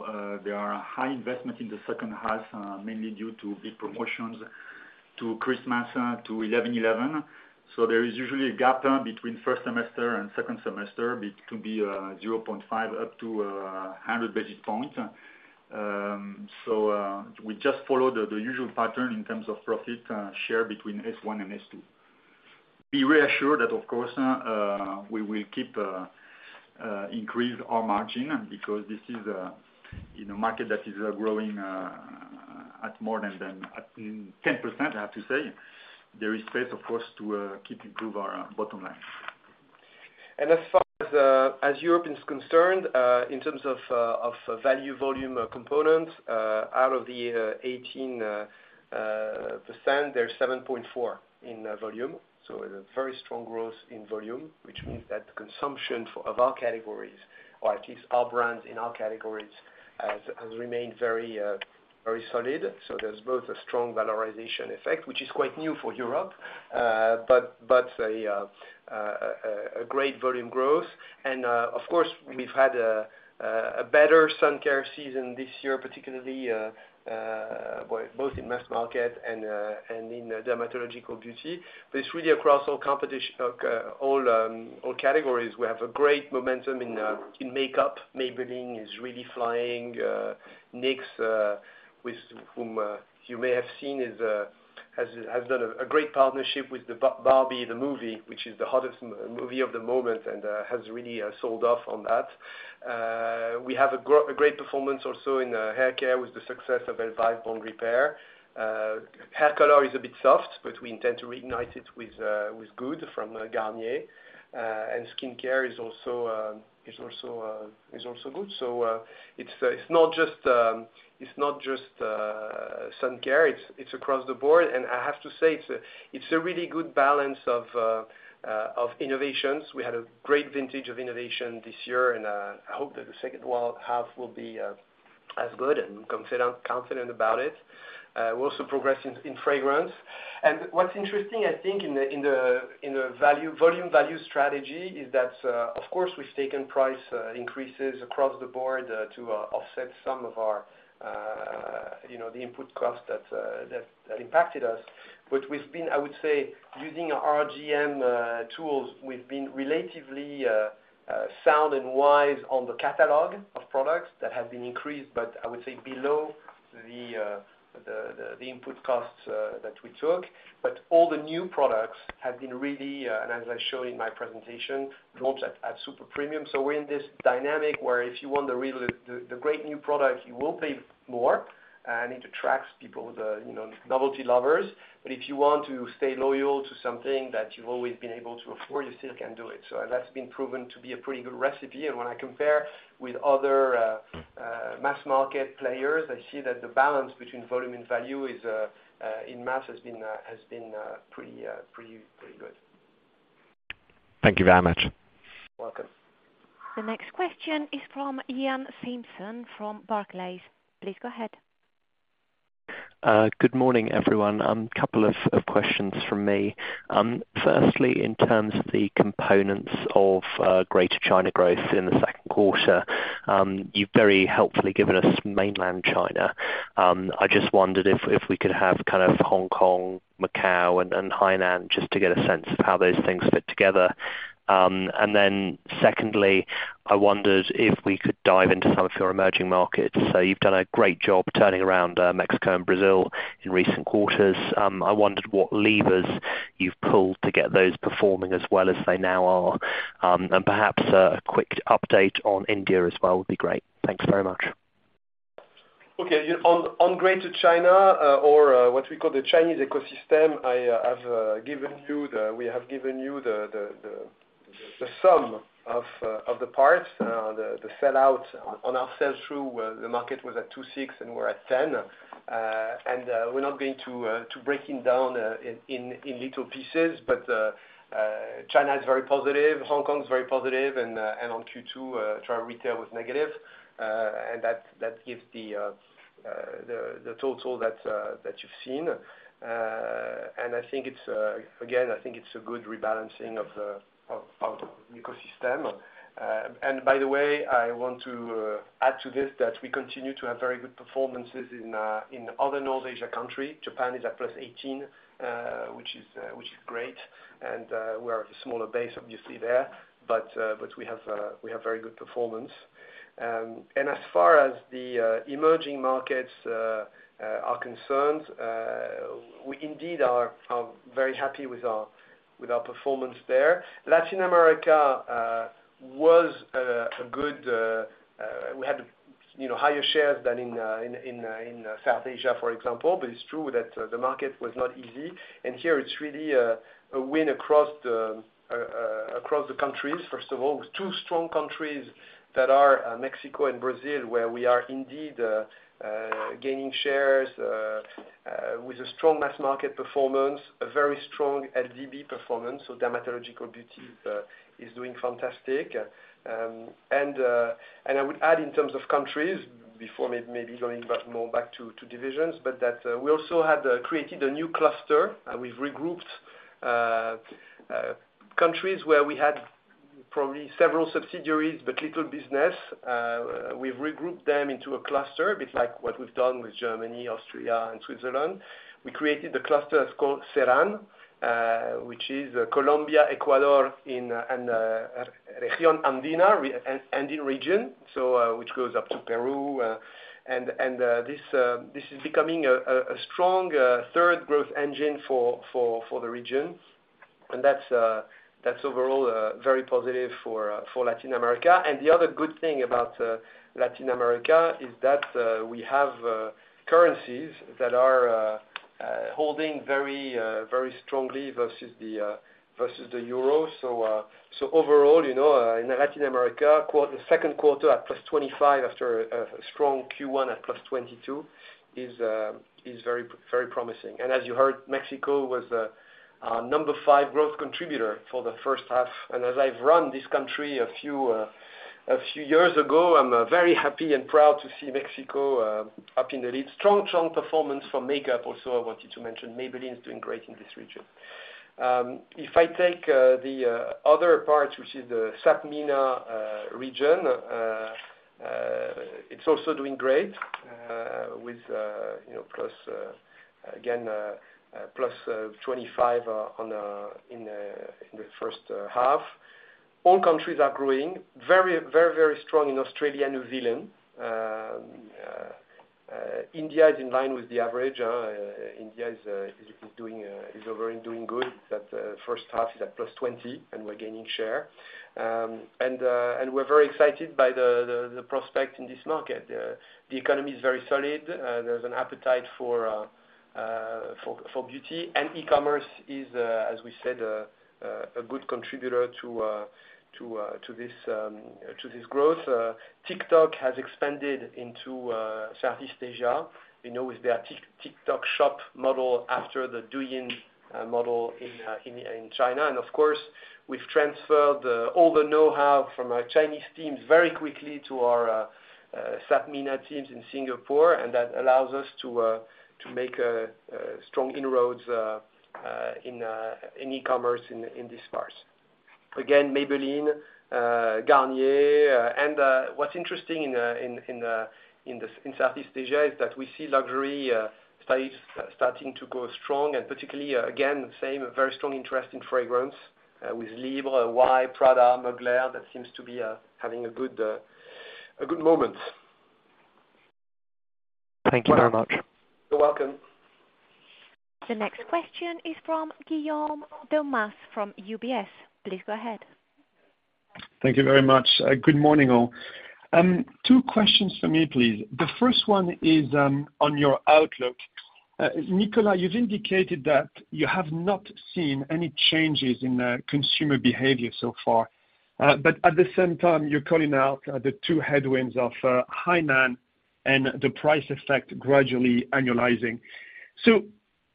there are high investment in the second half, mainly due to big promotions to Christmas, to 11.11. There is usually a gap between first semester and second semester, could be 0.5, up to 100 basic points. We just follow the usual pattern in terms of profit share between S1 and S2. Be reassured that, of course, we will keep increase our margin, because this is in a market that is growing at more than, at 10%, I have to say. There is space, of course, to keep improve our bottom line. As far as Europe is concerned, in terms of value volume component, out of the 18%, there's 7.4 in volume. A very strong growth in volume, which means that the consumption for- of our categories, or at least our brands in our categories, has remained very, very solid. There's both a strong valorization effect, which is quite new for Europe, but a great volume growth. Of course, we've had a better sun care season this year, particularly, well, both in mass market and in dermatological beauty. It's really across all competition, all categories. We have a great momentum in makeup. Maybelline is really flying, NYX, with whom you may have seen is, has done a great partnership with the Barbie, the movie, which is the hottest movie of the moment, and has really sold off on that. We have a great performance also in hair care with the success of Elvive Bond Repair. Hair color is a bit soft, but we intend to reignite it with good from Garnier. Skincare is also, is also, is also good. It's not just sun care, it's, it's across the board. I have to say, it's a really good balance of innovations. We had a great vintage of innovation this year, and I hope that the second half will be as good and confident, confident about it. We're also progressing in, in fragrance. What's interesting, I think, in the volume value strategy is that of course, we've taken price increases across the board to offset some of our, you know, the input costs that impacted us. We've been, I would say, using our RGM tools, we've been relatively sound and wise on the catalog of products that have been increased, but I would say below the input costs that we took. All the new products have been really and as I showed in my presentation, launched at super premium. We're in this dynamic where if you want the really the great new product, you will pay more, and it attracts people, you know, novelty lovers. If you want to stay loyal to something that you've always been able to afford, you still can do it. That's been proven to be a pretty good recipe. When I compare with other mass market players, I see that the balance between volume and value is en masse, has been has been pretty pretty good. Thank you very much. Welcome. The next question is from Iain Simpson from Barclays. Please go ahead. Good morning, everyone. Couple of questions from me. Firstly, in terms of the components of Greater China growth in the second quarter, you've very helpfully given us mainland China. I just wondered if, if we could have kind of Hong Kong, Macau, and Hainan, just to get a sense of how those things fit together. Then secondly, I wondered if we could dive into some of your emerging markets. You've done a great job turning around Mexico and Brazil in recent quarters. I wondered what levers you've pulled to get those performing as well as they now are. Perhaps a quick update on India as well would be great. Thanks very much. Okay. On Greater China, or what we call the Chinese ecosystem, we have given you the sum of the parts. The sell out on our sell through, where the market was at 2.6, and we're at 10. We're not going to to breaking down in little pieces, but China is very positive, Hong Kong is very positive, and on Q2, China retail was negative. That gives the total that that you've seen. I think it's, again, I think it's a good rebalancing of the of the ecosystem. By the way, I want to add to this, that we continue to have very good performances in other North Asia country. Japan is at +18%, which is great, and we're at a smaller base obviously there, but we have very good performance. As far as the emerging markets are concerned, we indeed are very happy with our performance there. Latin America was a good, we had, you know, higher shares than in South Asia, for example. But it's true that the market was not easy. Here it's really a win across the across the countries. First of all, with two strong countries that are, Mexico and Brazil, where we are indeed, gaining shares, with a strong mass market performance, a very strong LDB performance. Dermatological Beauty is doing fantastic. I would add in terms of countries before maybe going back more back to, to divisions, but that, we also had created a new cluster. We've regrouped, countries where we had probably several subsidiaries, but little business. We've regrouped them into a cluster, a bit like what we've done with Germany, Austria, and Switzerland. We created the cluster called CERAN, which is Colombia, Ecuador, in Region Andina, which goes up to Peru, and this is becoming a strong third growth engine for the region. That's overall very positive for Latin America. The other good thing about Latin America is that we have currencies that are holding very strongly versus the euro. Overall, you know, in Latin America, the second quarter at +25%, after a strong Q1 at +22%, is very promising. As you heard, Mexico was our number five growth contributor for the first half. As I've run this country a few years ago, I'm very happy and proud to see Mexico up in the lead. Strong, strong performance from makeup. Also, I wanted to mention Maybelline is doing great in this region. If I take the other parts, which is the SAPMENA region, it's also doing great, with, you know, again, +25, on in in the first half. All countries are growing very, very, very strong in Australia, New Zealand. India is in line with the average. India is is is doing is overall doing good. That first half is at +20, and we're gaining share, and we're very excited by the prospect in this market. The economy is very solid, there's an appetite for beauty, and e-commerce is, as we said, a good contributor to this growth. TikTok has expanded into Southeast Asia, you know, with their TikTok Shop model after the Douyin model in China. Of course, we've transferred all the know-how from our Chinese teams very quickly to our SAPMENA teams in Singapore, and that allows us to make strong inroads in e-commerce in this space. Maybelline, Garnier, and what's interesting in Southeast Asia is that we see luxury space starting to go strong, and particularly, again, the same, a very strong interest in fragrance, with Libre, Y, Prada, Mugler, that seems to be having a good, a good moment. Thank you very much. You're welcome. The next question is from Guillaume Delmas from UBS. Please go ahead. Thank you very much. Good morning, all. Two questions for me, please. The first one is on your outlook. Nicolas, you've indicated that you have not seen any changes in the consumer behavior so far, but at the same time, you're calling out the two headwinds of Hainan and the price effect gradually annualizing.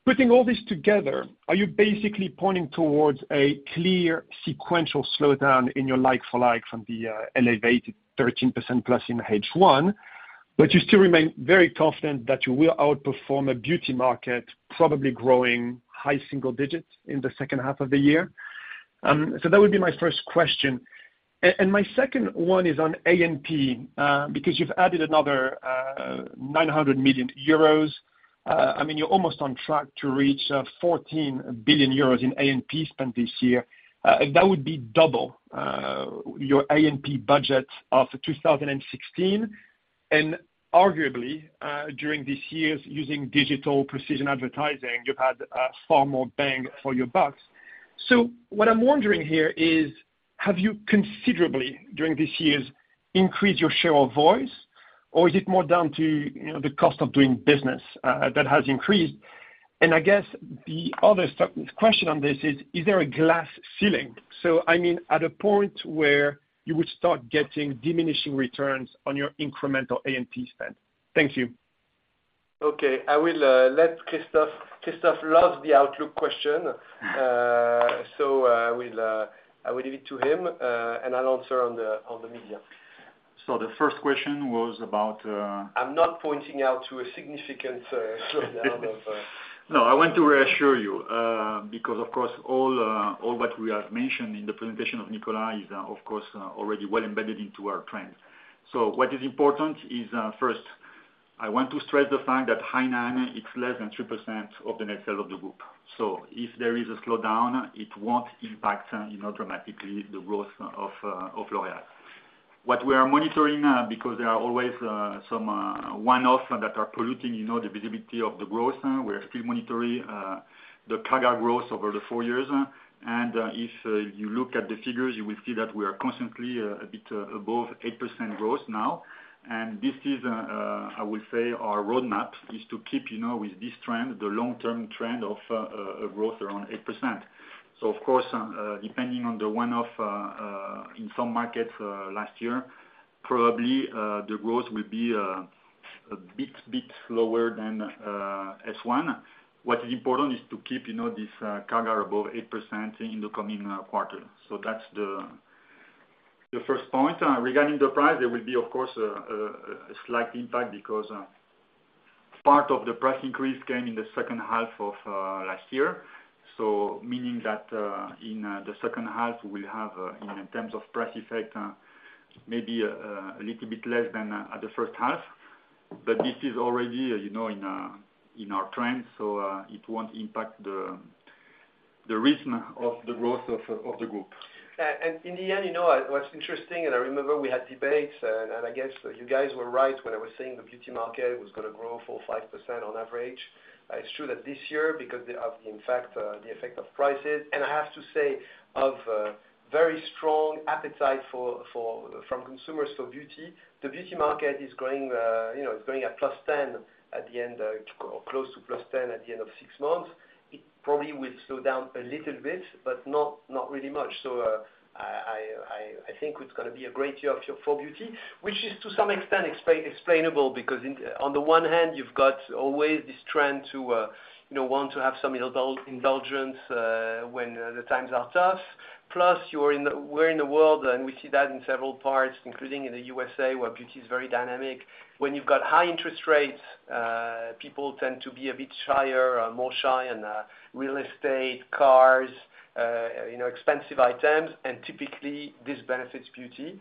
Putting all this together, are you basically pointing towards a clear sequential slowdown in your like-for-like from the elevated 13%+ in H1? You still remain very confident that you will outperform a beauty market, probably growing high single digits in the second half of the year. That would be my first question. My second one is on A&P, because you've added another 900 million euros. I mean, you're almost on track to reach 14 billion euros in A&P spend this year. That would be double your A&P budget of 2016. Arguably, during this years, using digital precision advertising, you've had a far more bang for your bucks. What I'm wondering here is: have you considerably, during this year's, increased your share of voice, or is it more down to, you know, the cost of doing business that has increased? I guess the other sub-question on this is, is there a glass ceiling? I mean, at a point where you would start getting diminishing returns on your incremental A&P spend. Thank you. Okay. I will, let Christophe, loves the outlook question, so, I will, I will leave it to him, and I'll answer on the, on the media. The first question was about-- I'm not pointing out to a significant slowdown of-- I want to reassure you, because, of course, all what we have mentioned in the presentation of Nicolas is, of course, already well embedded into our trend. What is important is, first, I want to stress the fact that Hainan is less than 3% of the net sales of the group. If there is a slowdown, it won't impact, you know, dramatically the growth of L'Oréal. What we are monitoring, because there are always some one-offs that are polluting, you know, the visibility of the growth. We're still monitoring the CAGR growth over the four years. If you look at the figures, you will see that we are constantly a bit above 8% growth now. This is, I will say, our roadmap is to keep, you know, with this trend, the long-term trend of a growth around 8%. Of course, depending on the one-off in some markets, last year, probably, the growth will be a bit, bit lower than S1. What is important is to keep, you know, this CAGR above 8% in the coming quarters. That's the first point. Regarding the price, there will be, of course, a slight impact because part of the price increase came in the second half of last year. Meaning that in the second half, we'll have in terms of price effect, maybe a little bit less than at the first half. this is already, as you know, in our trend, so, it won't impact the rhythm of the growth of the group. In the end, you know, what's interesting, and I remember we had debates, and I guess you guys were right when I was saying the beauty market was gonna grow 4%, 5% on average. It's true that this year, because of the, in fact, the effect of prices, and I have to say, of, very strong appetite for from consumers for beauty. The beauty market is growing, you know, it's growing at +10% at the end, or close to +10% at the end of six months. It probably will slow down a little bit, but not really much. I think it's gonna be a great year for beauty, which is to some extent, explainable, because on the one hand, you've got always this trend to, you know, want to have some indulgence, when the times are tough. Plus, we're in the world, and we see that in several parts, including in the U.S.A, where beauty is very dynamic. When you've got high interest rates, people tend to be a bit shyer, more shy in real estate, cars, you know, expensive items, and typically this benefits beauty.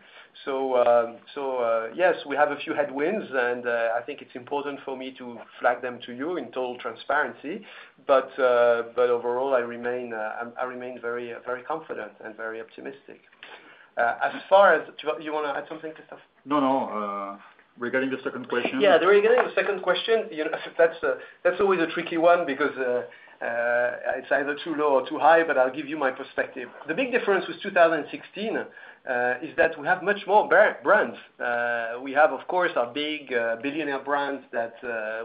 Yes, we have a few headwinds, and I think it's important for me to flag them to you in total transparency. Overall, I remain very, very confident and very optimistic. As far as.. Do you want to add something, Christophe? No, no, regarding the second question? Yeah, regarding the second question, you know, that's always a tricky one because it's either too low or too high, but I'll give you my perspective. The big difference with 2016, is that we have much more brands. We have, of course, our big, billionaire brands that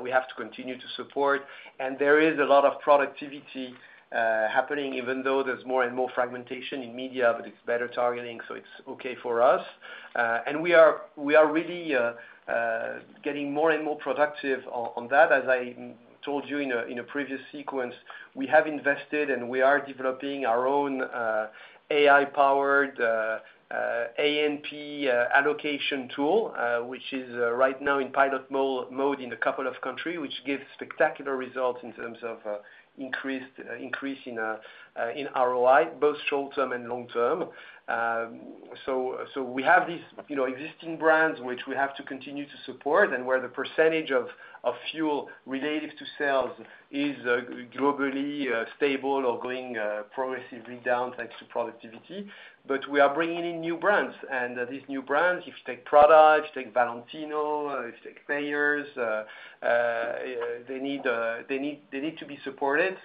we have to continue to support. There is a lot of productivity happening, even though there's more and more fragmentation in media, but it's better targeting, so it's okay for us. We are really getting more and more productive on that. As I told you in a previous sequence, we have invested, and we are developing our own, AI-powered, A&P, allocation tool, which is right now in pilot mode in a couple of country, which gives spectacular results in terms of increased, increase in ROI, both short-term and long-term. We have these, you know, existing brands, which we have to continue to support, and where the percentage of fuel relative to sales is globally stable or going progressively down, thanks to productivity. We are bringing in new brands. These new brands, if you take Prada, if you take Valentino, if you take Payers, they need to be supported.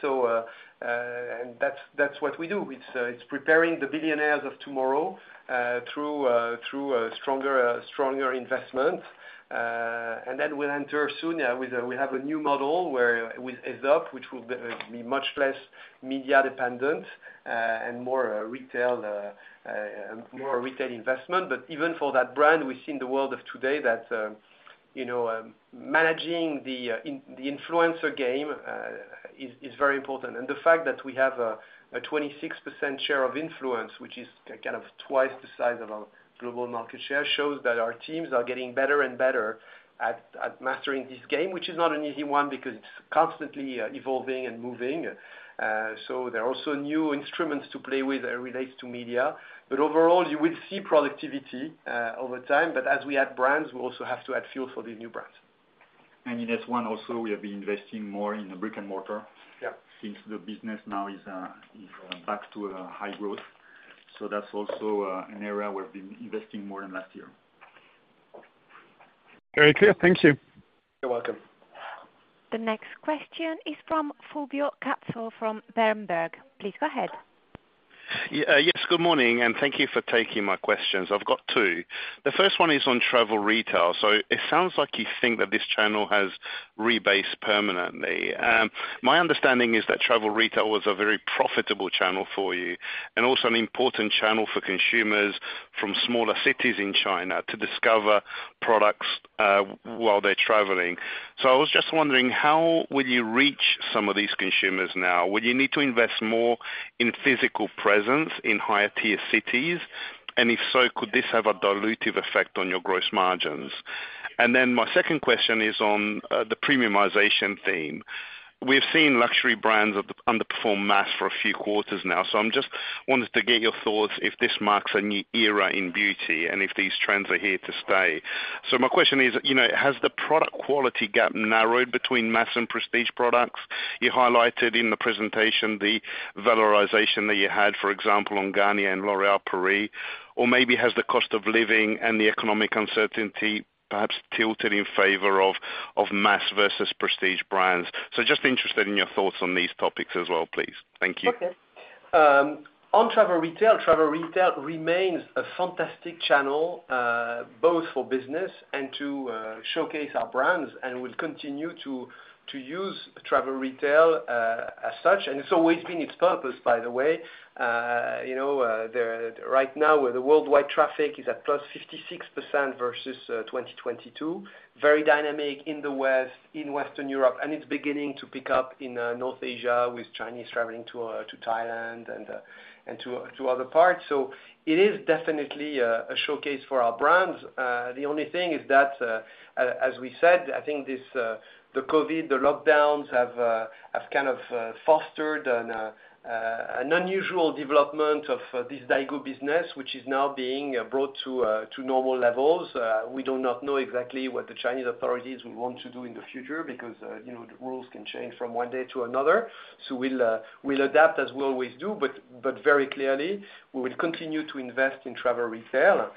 That's, that's what we do. It's, it's preparing the billionaires of tomorrow, through, through a stronger, stronger investment. We'll enter soon, with a new model where, with AZAP, which will be much less media-dependent, and more, retail, more retail investment. Even for that brand, we see in the world of today that, you know, managing the, the influencer game is very important. The fact that we have a 26% share of influence, which is kind of twice the size of our global market share, shows that our teams are getting better and better at mastering this game. Which is not an easy one, because it's constantly, evolving and moving. There are also new instruments to play with that relates to media. Overall, you will see productivity over time. As we add brands, we also have to add fuel for the new brands. In S1 also, we have been investing more in the brick-and-mortar- Yeah. -since the business now is back to a high growth. That's also an area where we've been investing more than last year. Very clear. Thank you. You're welcome. The next question is from Fulvio Cazzol, from Berenberg. Please go ahead. Yes, good morning, and thank you for taking my questions. I've got two. The first one is on travel retail. It sounds like you think that this channel has rebased permanently. My understanding is that travel retail was a very profitable channel for you, and also an important channel for consumers from smaller cities in China to discover products while they're traveling. I was just wondering, how will you reach some of these consumers now? Will you need to invest more in physical presence in higher tier cities? If so, could this have a dilutive effect on your gross margins. My second question is on the premiumization theme. We've seen luxury brands underperform mass for a few quarters now, so I'm just wanted to get your thoughts if this marks a new era in beauty and if these trends are here to stay. My question is, you know, has the product quality gap narrowed between mass and prestige products? You highlighted in the presentation the valorization that you had, for example, on Garnier and L'Oréal Paris, or maybe has the cost of living and the economic uncertainty perhaps tilted in favor of mass versus prestige brands. Just interested in your thoughts on these topics as well, please. Thank you. Okay. On travel retail, travel retail remains a fantastic channel, both for business and to showcase our brands, and we'll continue to use travel retail as such, and it's always been its purpose, by the way. You know, right now, with the worldwide traffic is at +56% versus 2022. Very dynamic in the West, in Western Europe, and it's beginning to pick up in North Asia, with Chinese traveling to Thailand and to other parts. It is definitely a, a showcase for our brands. The only thing is that, as we said, I think this, the Covid, the lockdowns have kind of fostered an unusual development of this daigou business, which is now being brought to normal levels. We do not know exactly what the Chinese authorities will want to do in the future because, you know, the rules can change from one day to another. We'll, we'll adapt as we always do, but very clearly, we will continue to invest in travel retail,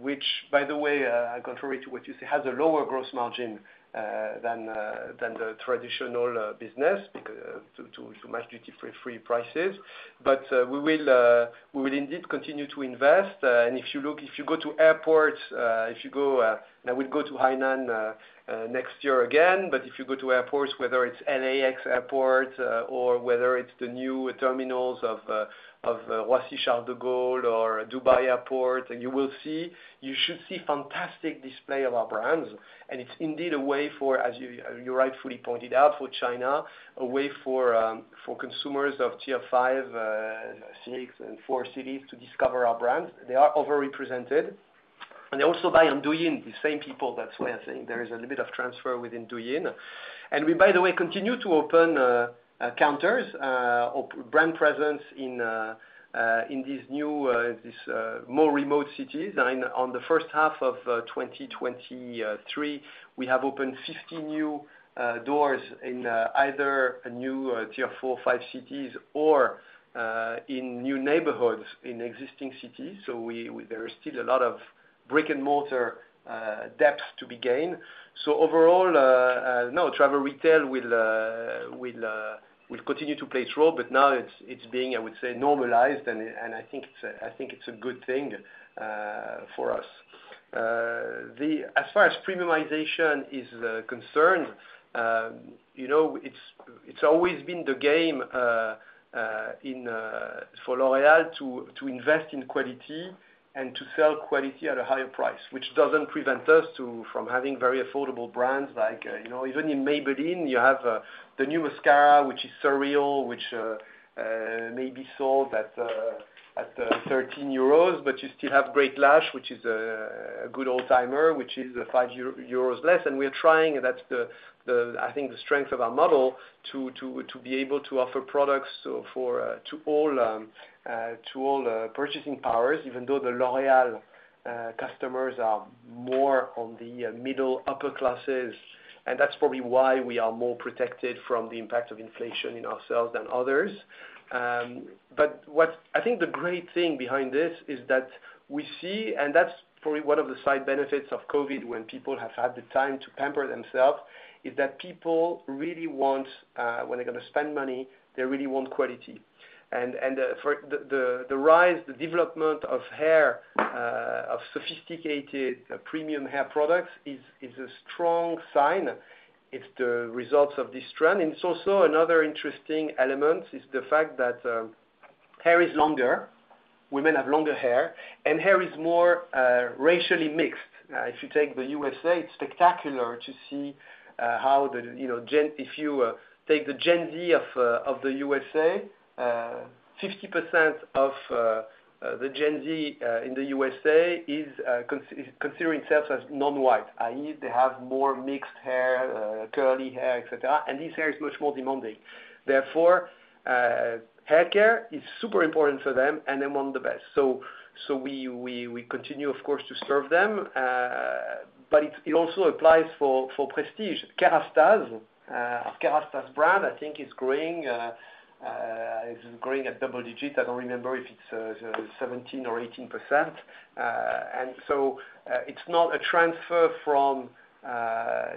which by the way, contrary to what you say, has a lower gross margin than the traditional business, because to much duty-free prices. We will indeed continue to invest. If you look... if you go to airports, now we go to Hainan, next year again, but if you go to airports, whether it's LAX Airport, or whether it's the new terminals of Roissy-Charles de Gaulle or Dubai Airport, you will see, you should see fantastic display of our brands. It's indeed a way for, as you rightfully pointed out, for China, a way for consumers of tier five, six and four cities to discover our brands. They are overrepresented, and they also buy on Douyin, the same people. That's why I'm saying there is a limit of transfer within Douyin. We, by the way, continue to open counters or brand presence in these new, these more remote cities. On the first half of 2023, we have opened 50 new doors in either a new tier four or five cities or in new neighborhoods in existing cities. There is still a lot of brick-and-mortar depth to be gained. Overall, no travel retail will continue to play its role, but now it's being, I would say, normalized, and I think it's a good thing for us. As far as premiumization is concerned, you know, it's, it's always been the game in for L'Oréal to invest in quality and to sell quality at a higher price, which doesn't prevent us from having very affordable brands like, you know-- Even in Maybelline, you have the new mascara, which is Surreal, which may be sold at 13 euros, but you still have Great Lash, which is a good old-timer, which is 5 euros less. We're trying, that's the, I think, the strength of our model to be able to offer products to all purchasing powers, even though the L'Oréal customers are more on the middle, upper classes, and that's probably why we are more protected from the impact of inflation in ourselves than others. What I think the great thing behind this is that we see, and that's probably one of the side benefits of COVID, when people have had the time to pamper themselves, is that people really want when they're going to spend money, they really want quality. For the rise, the development of hair of sophisticated premium hair productsis a strong sign. It's the results of this trend. It's also another interesting element, is the fact that hair is longer, women have longer hair, and hair is more racially mixed. If you take the U.S.A, it's spectacular to see, how the... you know, if you take the Gen Z of the U.S.A, 50% of the Gen Z in the U.S.A is considering themselves as non-white. i.e., they have more mixed hair, curly hair, et cetera, and this hair is much more demanding. Therefore, haircare is super important for them, and among the best. We continue, of course, to serve them, but it also applies for prestige. Kérastase, Kérastase brand, I think, is growing at double digits. I don't remember if it's, 17% or 18%. It's not a transfer from,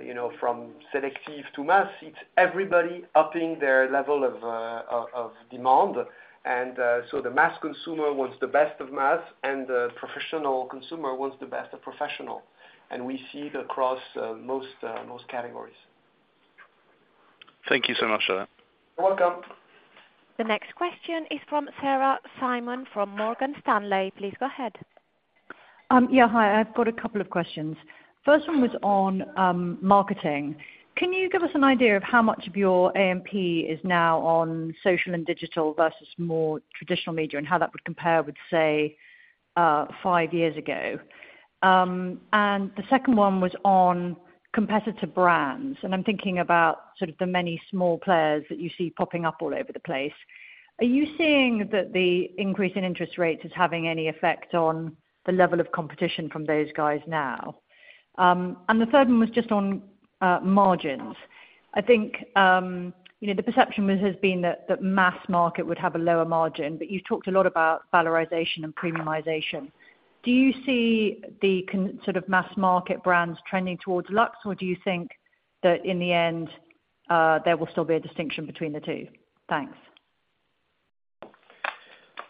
you know, from selective to mass, it's everybody upping their level of demand. The mass consumer wants the best of mass, and the professional consumer wants the best of professional, and we see it across most categories. Thank you so much for that. You're welcome. The next question is from Sarah Simon, from Morgan Stanley. Please go ahead. Yeah, hi, I've got a couple of questions. First one was on marketing. Can you give us an idea of how much of your AMP is now on social and digital versus more traditional media, and how that would compare with, say, five years ago? The second one was on competitor brands, and I'm thinking about sort of the many small players that you see popping up all over the place. Are you seeing that the increase in interest rates is having any effect on the level of competition from those guys now? The third one was just on margins. I think, you know, the perception was, has been that, that mass market would have a lower margin, but you've talked a lot about valorization and premiumization. Do you see the sort of mass market brands trending towards luxe, or do you think that in the end, there will still be a distinction between the two? Thanks.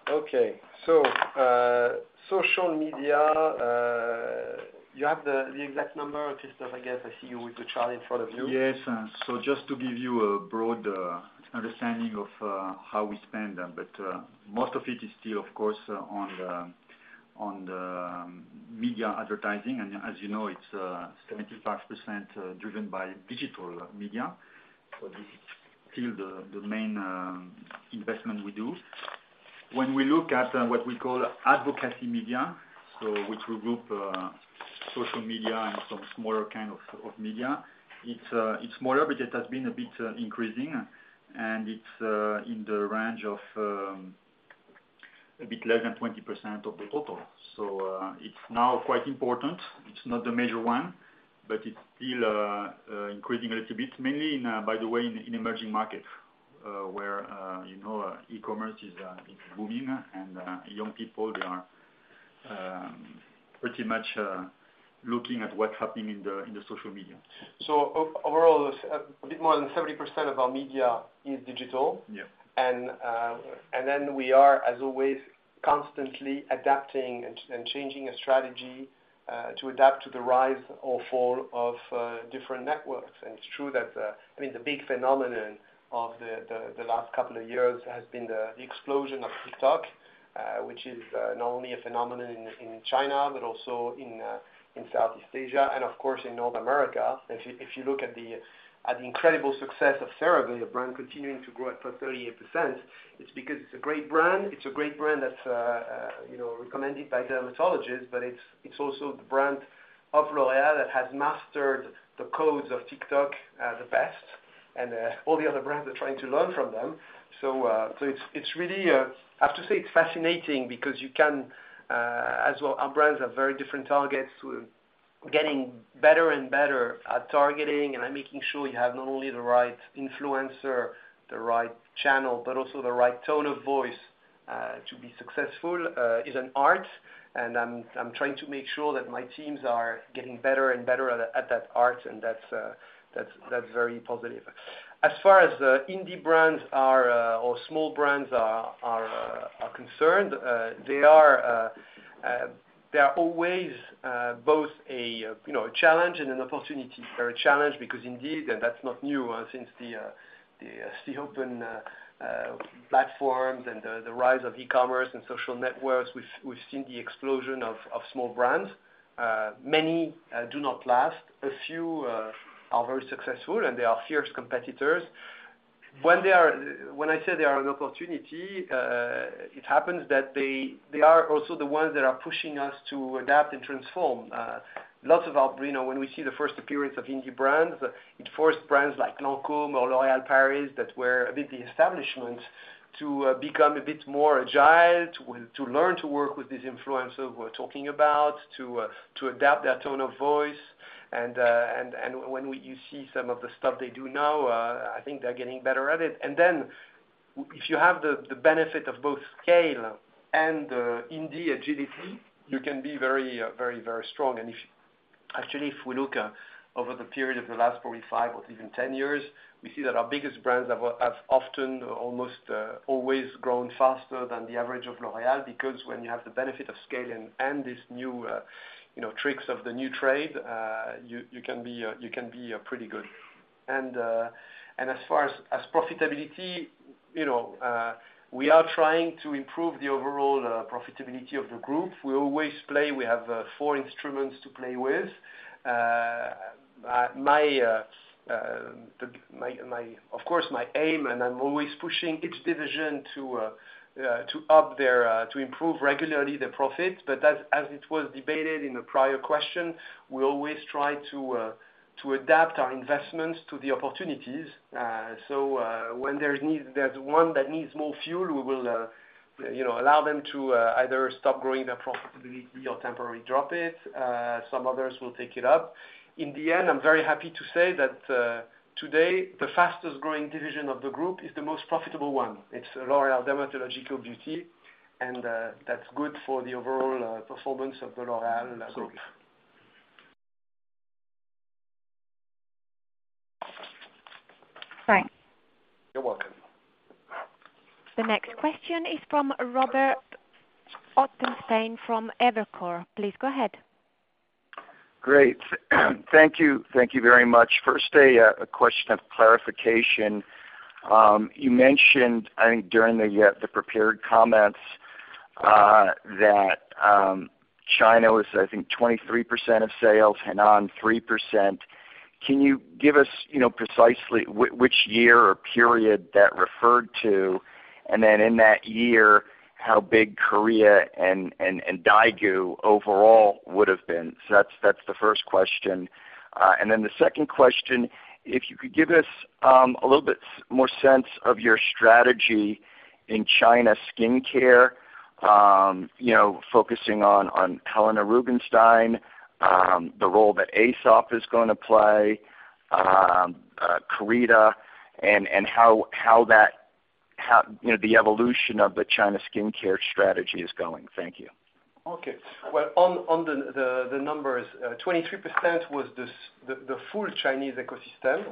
Okay. Social media, you have the exact number, Christophe, I guess. I see you with the chart in front of you. Yes. Just to give you a broad understanding of how we spend, but most of it is still, of course, on the on the media advertising. As you know, it's 75% driven by digital media. This is still the main investment we do. When we look at what we call advocacy media, so which we group social media and some smaller kind of media, it's smaller, but it has been a bit increasing, and it's in the range of a bit less than 20% of the total. It's now quite important. It's not the major one, but it's still increasing a little bit, mainly in, by the way, in emerging markets, where, you know, e-commerce is booming and young people, they are pretty much looking at what's happening in the social media. Overall, a bit more than 70% of our media is digital. Yeah. Then we are, as always, constantly adapting and changing a strategy to adapt to the rise or fall of different networks. It's true that, I mean, the big phenomenon of the last couple of years has been the explosion of TikTok, which is not only a phenomenon in China, but also in Southeast Asia, and of course, in North America. If you look at the incredible success of CeraVe, the brand continuing to grow at 38%, it's because it's a great brand. It's a great brand that's, you know, recommended by dermatologists, but it's also the brand of L'Oréal that has mastered the codes of TikTok, the best, and all the other brands are trying to learn from them. It's really, I have to say, it's fascinating because you can, as well, our brands have very different targets who are getting better and better at targeting, and I'm making sure you have not only the right influencer, the right channel, but also the right tone of voice to be successful is an art. I'm trying to make sure that my teams are getting better and better at that art, and that's very positive. As far as the indie brands are, or small brands are concerned, they are always both a, you know, a challenge and an opportunity. They're a challenge because indeed, and that's not new, since the [sea open] platforms and the rise of e-commerce and social networks, we've seen the explosion of small brands. Many do not last. A few are very successful, and they are fierce competitors. When I say they are an opportunity, it happens that they are also the ones that are pushing us to adapt and transform. Lots of our.. You know, when we see the first appearance of indie brands, it forced brands like Lancôme or L'Oréal Paris, that were a bit the establishments, to become a bit more agile, to learn to work with these influencers we're talking about, to adapt their tone of voice. When you see some of the stuff they do now, I think they're getting better at it. Then if you have the benefit of both scale and indie agility, you can be very, very, very strong. Actually, if we look over the period of the last probably five or even 10 years, we see that our biggest brands have often, almost always grown faster than the average of L'Oréal, because when you have the benefit of scale and this new, you know, tricks of the new trade, you can be pretty good. As far as, as profitability, you know, we are trying to improve the overall profitability of the group. We always play. We have four instruments to play with. My, of course, my aim, and I'm always pushing each division to up their- to improve regularly the profit. As it was debated in a prior question, we always try to adapt our investments to the opportunities. When there's one that needs more fuel, we will, you know, allow them to either stop growing their profitability or temporarily drop it. Some others will take it up. In the end, I'm very happy to say that today, the fastest growing division of the group is the most profitable one. It's L'Oréal Dermatological Beauty. That's good for the overall performance of the L'Oréal group. Thanks. You're welcome. The next question is from Robert Ottenstein from Evercore. Please go ahead. Great. Thank you. Thank you very much. First, a question of clarification. You mentioned, I think during the prepared comments, that China was, I think, 23% of sales, Hainan, 3%. Can you give us, you know, precisely which year or period that referred to? Then in that year how big Korea and daigou overall would have been. That's, that's the first question. Then the second question, if you could give us a little bit more sense of your strategy in China skincare, you know, focusing on Helena Rubinstein, the role that Aesop is going to play, Carita, and how, you know, the evolution of the China skincare strategy is going. Thank you. Okay. Well, on the numbers, 23% was the full Chinese ecosystem,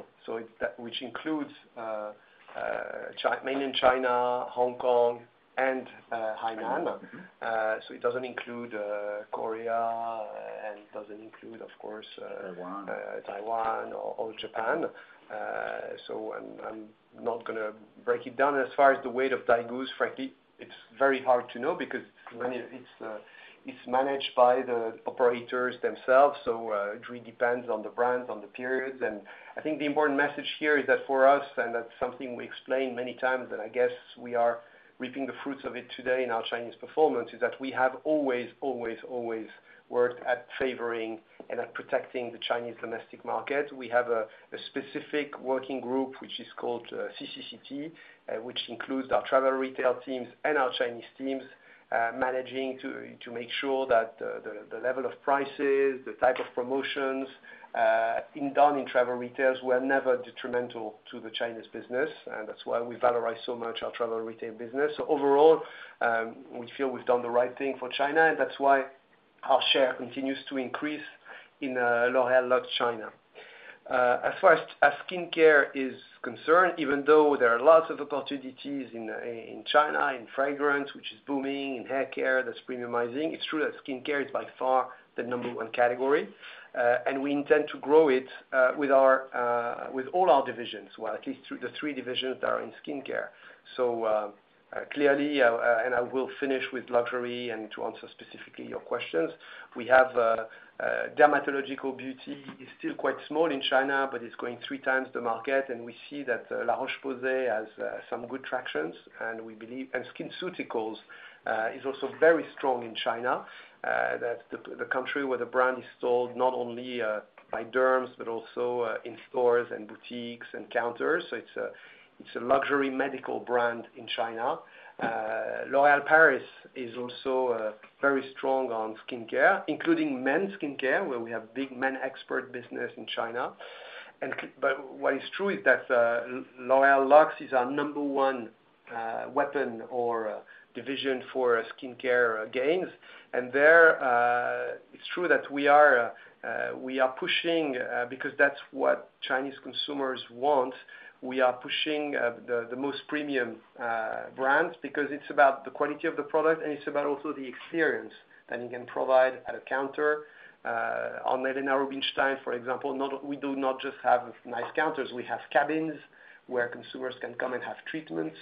which includes mainland China, Hong Kong, and Hainan. It doesn't include, Korea, and it doesn't include, of course,- Taiwan -Taiwan or, or Japan. I'm not gonna break it down. As far as the weight of daigou, frankly, it's very hard to know because many of it's managed by the operators themselves. It really depends on the brand, on the periods. I think the important message here is that for us, and that's something we explained many times, and I guess we are reaping the fruits of it today in our Chinese performance, is that we have always, always, always worked at favoring and at protecting the Chinese domestic market. We have a specific working group, which is called CCCT, which includes our travel retail teams and our Chinese teams, managing to make sure that the level of prices, the type of promotions, in done in travel retails, were never detrimental to the Chinese business. That's why we valorize so much our travel retail business. Overall, we feel we've done the right thing for China, and that's why our share continues to increase in L'Oréal Luxe China. As far as, as skincare is concerned, even though there are lots of opportunities in China, in fragrance, which is booming, in haircare, that's premiumizing, it's true that skincare is by far the number one category. We intend to grow it with our with all our divisions, well, at least through the three divisions that are in skincare. Clearly, I will finish with luxury and to answer specifically your questions. We have L'Oréal Dermatological Beauty is still quite small in China, but it's going three times the market, and we see that La Roche-Posay has some good tractions, and we believe- and SkinCeuticals is also very strong in China. That the country where the brand is sold not only by derms, but also in stores and boutiques and counters. It's a luxury medical brand in China. L'Oréal Paris is also very strong on skincare, including men's skincare, where we have big Men Expert business in China. But what is true is that L'Oréal Luxe is our number one weapon or division for skincare gains. There, it's true that we are pushing because that's what Chinese consumers want. We are pushing the most premium brands, because it's about the quality of the product, and it's about also the experience that you can provide at a counter. On Helena Rubinstein, for example, we do not just have nice counters, we have cabins where consumers can come and have treatments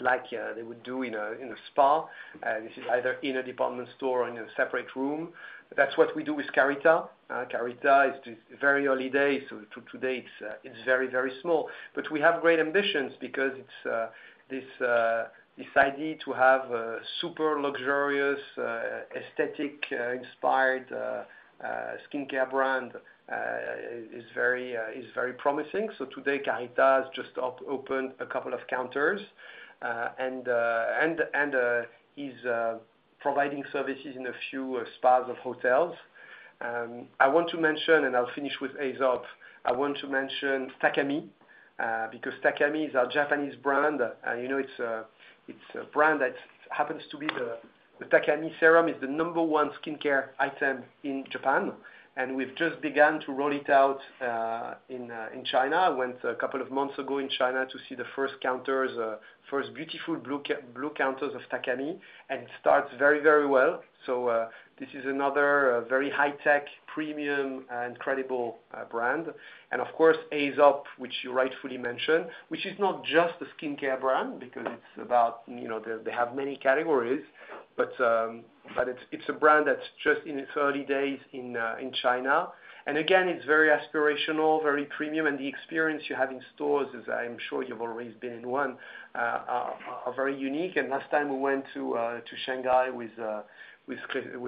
like they would do in a spa, this is either in a department store or in a separate room. That's what we do with Carita. Carita is just very early days, so today, it's very, very small. We have great ambitions because it's this idea to have a super luxurious, aesthetic, inspired, skincare brand is very promising. Today, Carita has just opened a couple of counters and is providing services in a few spas of hotels. I want to mention, and I'll finish with Aesop. I want to mention Takami because Takami is our Japanese brand, and, you know, it's a brand that happens to be the Takami serum is the number one skincare item in Japan, and we've just begun to roll it out in China. I went a couple of months ago in China to see the first counters, first beautiful blue counters of Takami, and it starts very, very well. This is another very high tech, premium, and credible brand. Of course, Aesop, which you rightfully mentioned, which is not just a skincare brand, because it's about, you know, they have many categories. It's a brand that's just in its early days in China. Again, it's very aspirational, very premium, and the experience you have in stores, as I'm sure you've already been in one are very unique. Last time we went to Shanghai with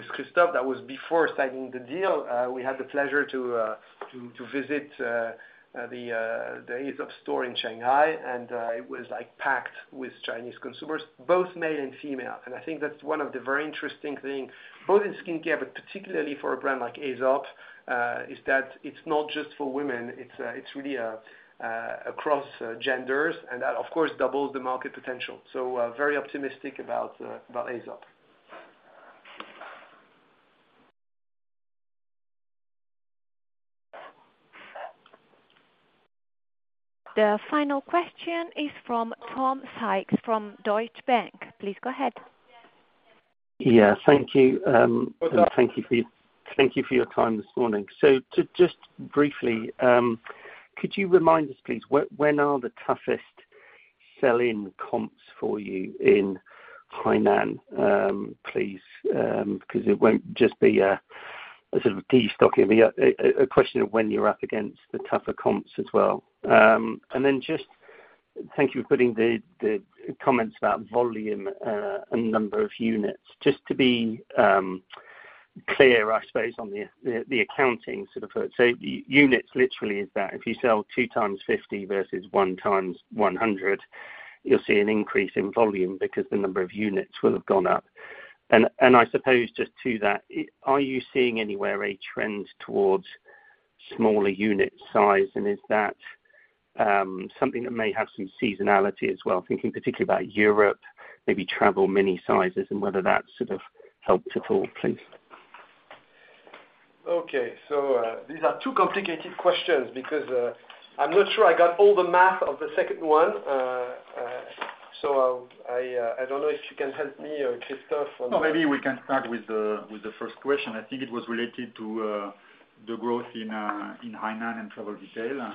Christophe, that was before signing the deal. We had the pleasure to visit the Aesop store in Shanghai, and it was like packed with Chinese consumers, both male and female. I think that's one of the very interesting thing, both in skincare, but particularly for a brand like Aesop, is that it's not just for women, it's really across, genders, and that, of course, doubles the market potential. Very optimistic about, about Aesop. The final question is from Tom Sykes, from Deutsche Bank. Please go ahead. Yeah, thank you. What's up? Thank you for, thank you for your time this morning. To just briefly, could you remind us, please, when, when are the toughest sell-in comps for you in Hainan? Please, because it won't just be sort of destocking, a question of when you're up against the tougher comps as well. Just thank you for putting the comments about volume and number of units. Just to be clear, I suppose, on the accounting sort of say, units literally is that if you sell two times 50 versus one times 100, you'll see an increase in volume because the number of units will have gone up. I suppose just to that, are you seeing anywhere a trend towards smaller unit size? Is that something that may have some seasonality as well? Thinking particularly about Europe, maybe travel mini sizes, and whether that sort of helped at all, please. Okay. These are two complicated questions because, I'm not sure I got all the math of the second one. I don't know if you can help me or Christophe on that. Maybe we can start with the first question. I think it was related to the growth in Hainan and travel retail.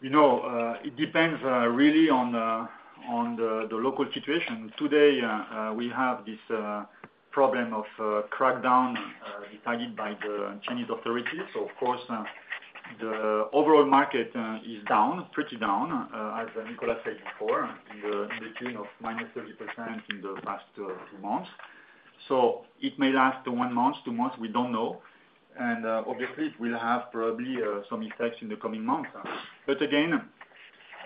You know, it depends really on the local situation. Today, we have this problem of crackdown decided by the Chinese authorities. Of course, the overall market is down, pretty down, as Nicolas said before, in the region of -30% in the past two months. It may last one month, two months, we don't know. Obviously, it will have probably some effects in the coming months. Again,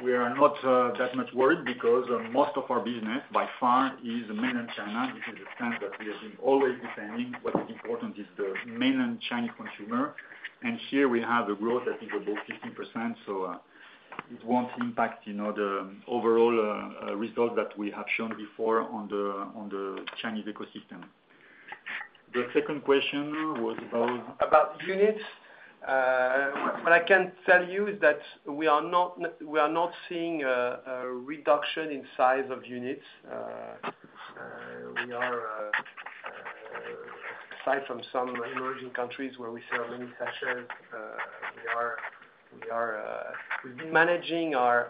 we are not that much worried because most of our business, by far, is mainland China, which is the trend that we have been always depending. What is important is the mainland Chinese consumer, and here we have a growth that is above 15%, so, it won't impact, you know, the overall result that we have shown before on the Chinese ecosystem. The second question was about-- About units. What I can tell you is that we are not, we are not seeing a reduction in size of units. We are, aside from some emerging countries where we sell mini sachets, we've been managing our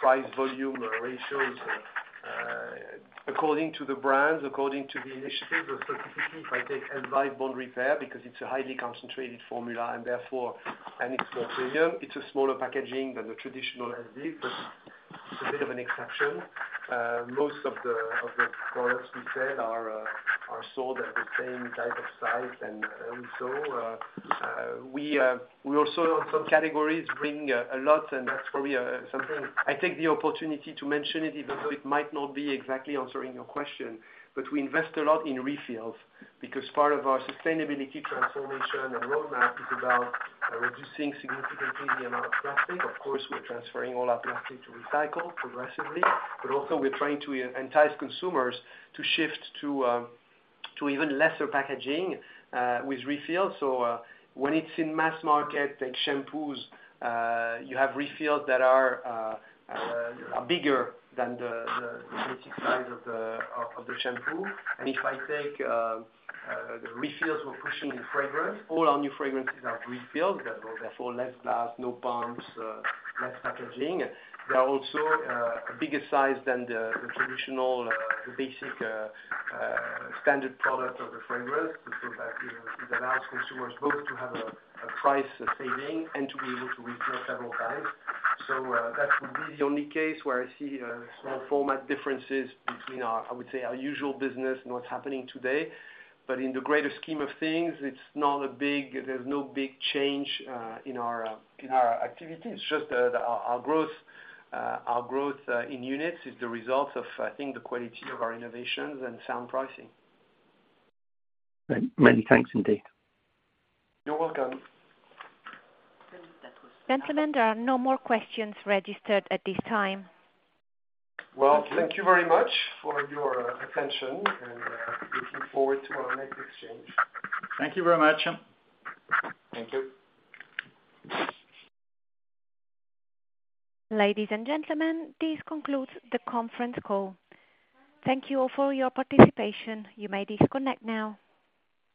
price volume ratios, according to the brands, according to the initiatives. Specifically, if I take Elvive Bond Repair, because it's a highly concentrated formula and therefore, and it's more premium, it's a smaller packaging than the traditional Elvive, but it's a bit of an exception. Most of the products we sell are sold at the same type of size. Also, we also, on some categories, bring a lot, and that's probably something. I take the opportunity to mention it, even though it might not be exactly answering your question. We invest a lot in refills, because part of our sustainability transformation and roadmap is about reducing significantly the amount of plastic. Of course, we're transferring all our plastic to recycle progressively, but also we're trying to entice consumers to shift to even lesser packaging with refills. When it's in mass market, like shampoos, you have refills that are bigger than the basic size of the shampoo. If I take the refills we're pushing in fragrance, all our new fragrances have refills, therefore, less glass, no pumps, less packaging. They are also a bigger size than the traditional, the basic, standard product of the fragrance. That it allows consumers both to have a price saving and to be able to refill several times. That would be the only case where I see small format differences between our, I would say, our usual business and what's happening today. In the greater scheme of things, it's not a big there's no big change in our in our activities. It's just that our, our growth, our growth in units is the result of, I think, the quality of our innovations and sound pricing. Many thanks, indeed. You're welcome. Gentlemen, there are no more questions registered at this time. Well, thank you very much for your attention, and looking forward to our next exchange. Thank you very much. Thank you. Ladies and gentlemen, this concludes the conference call. Thank you all for your participation. You may disconnect now.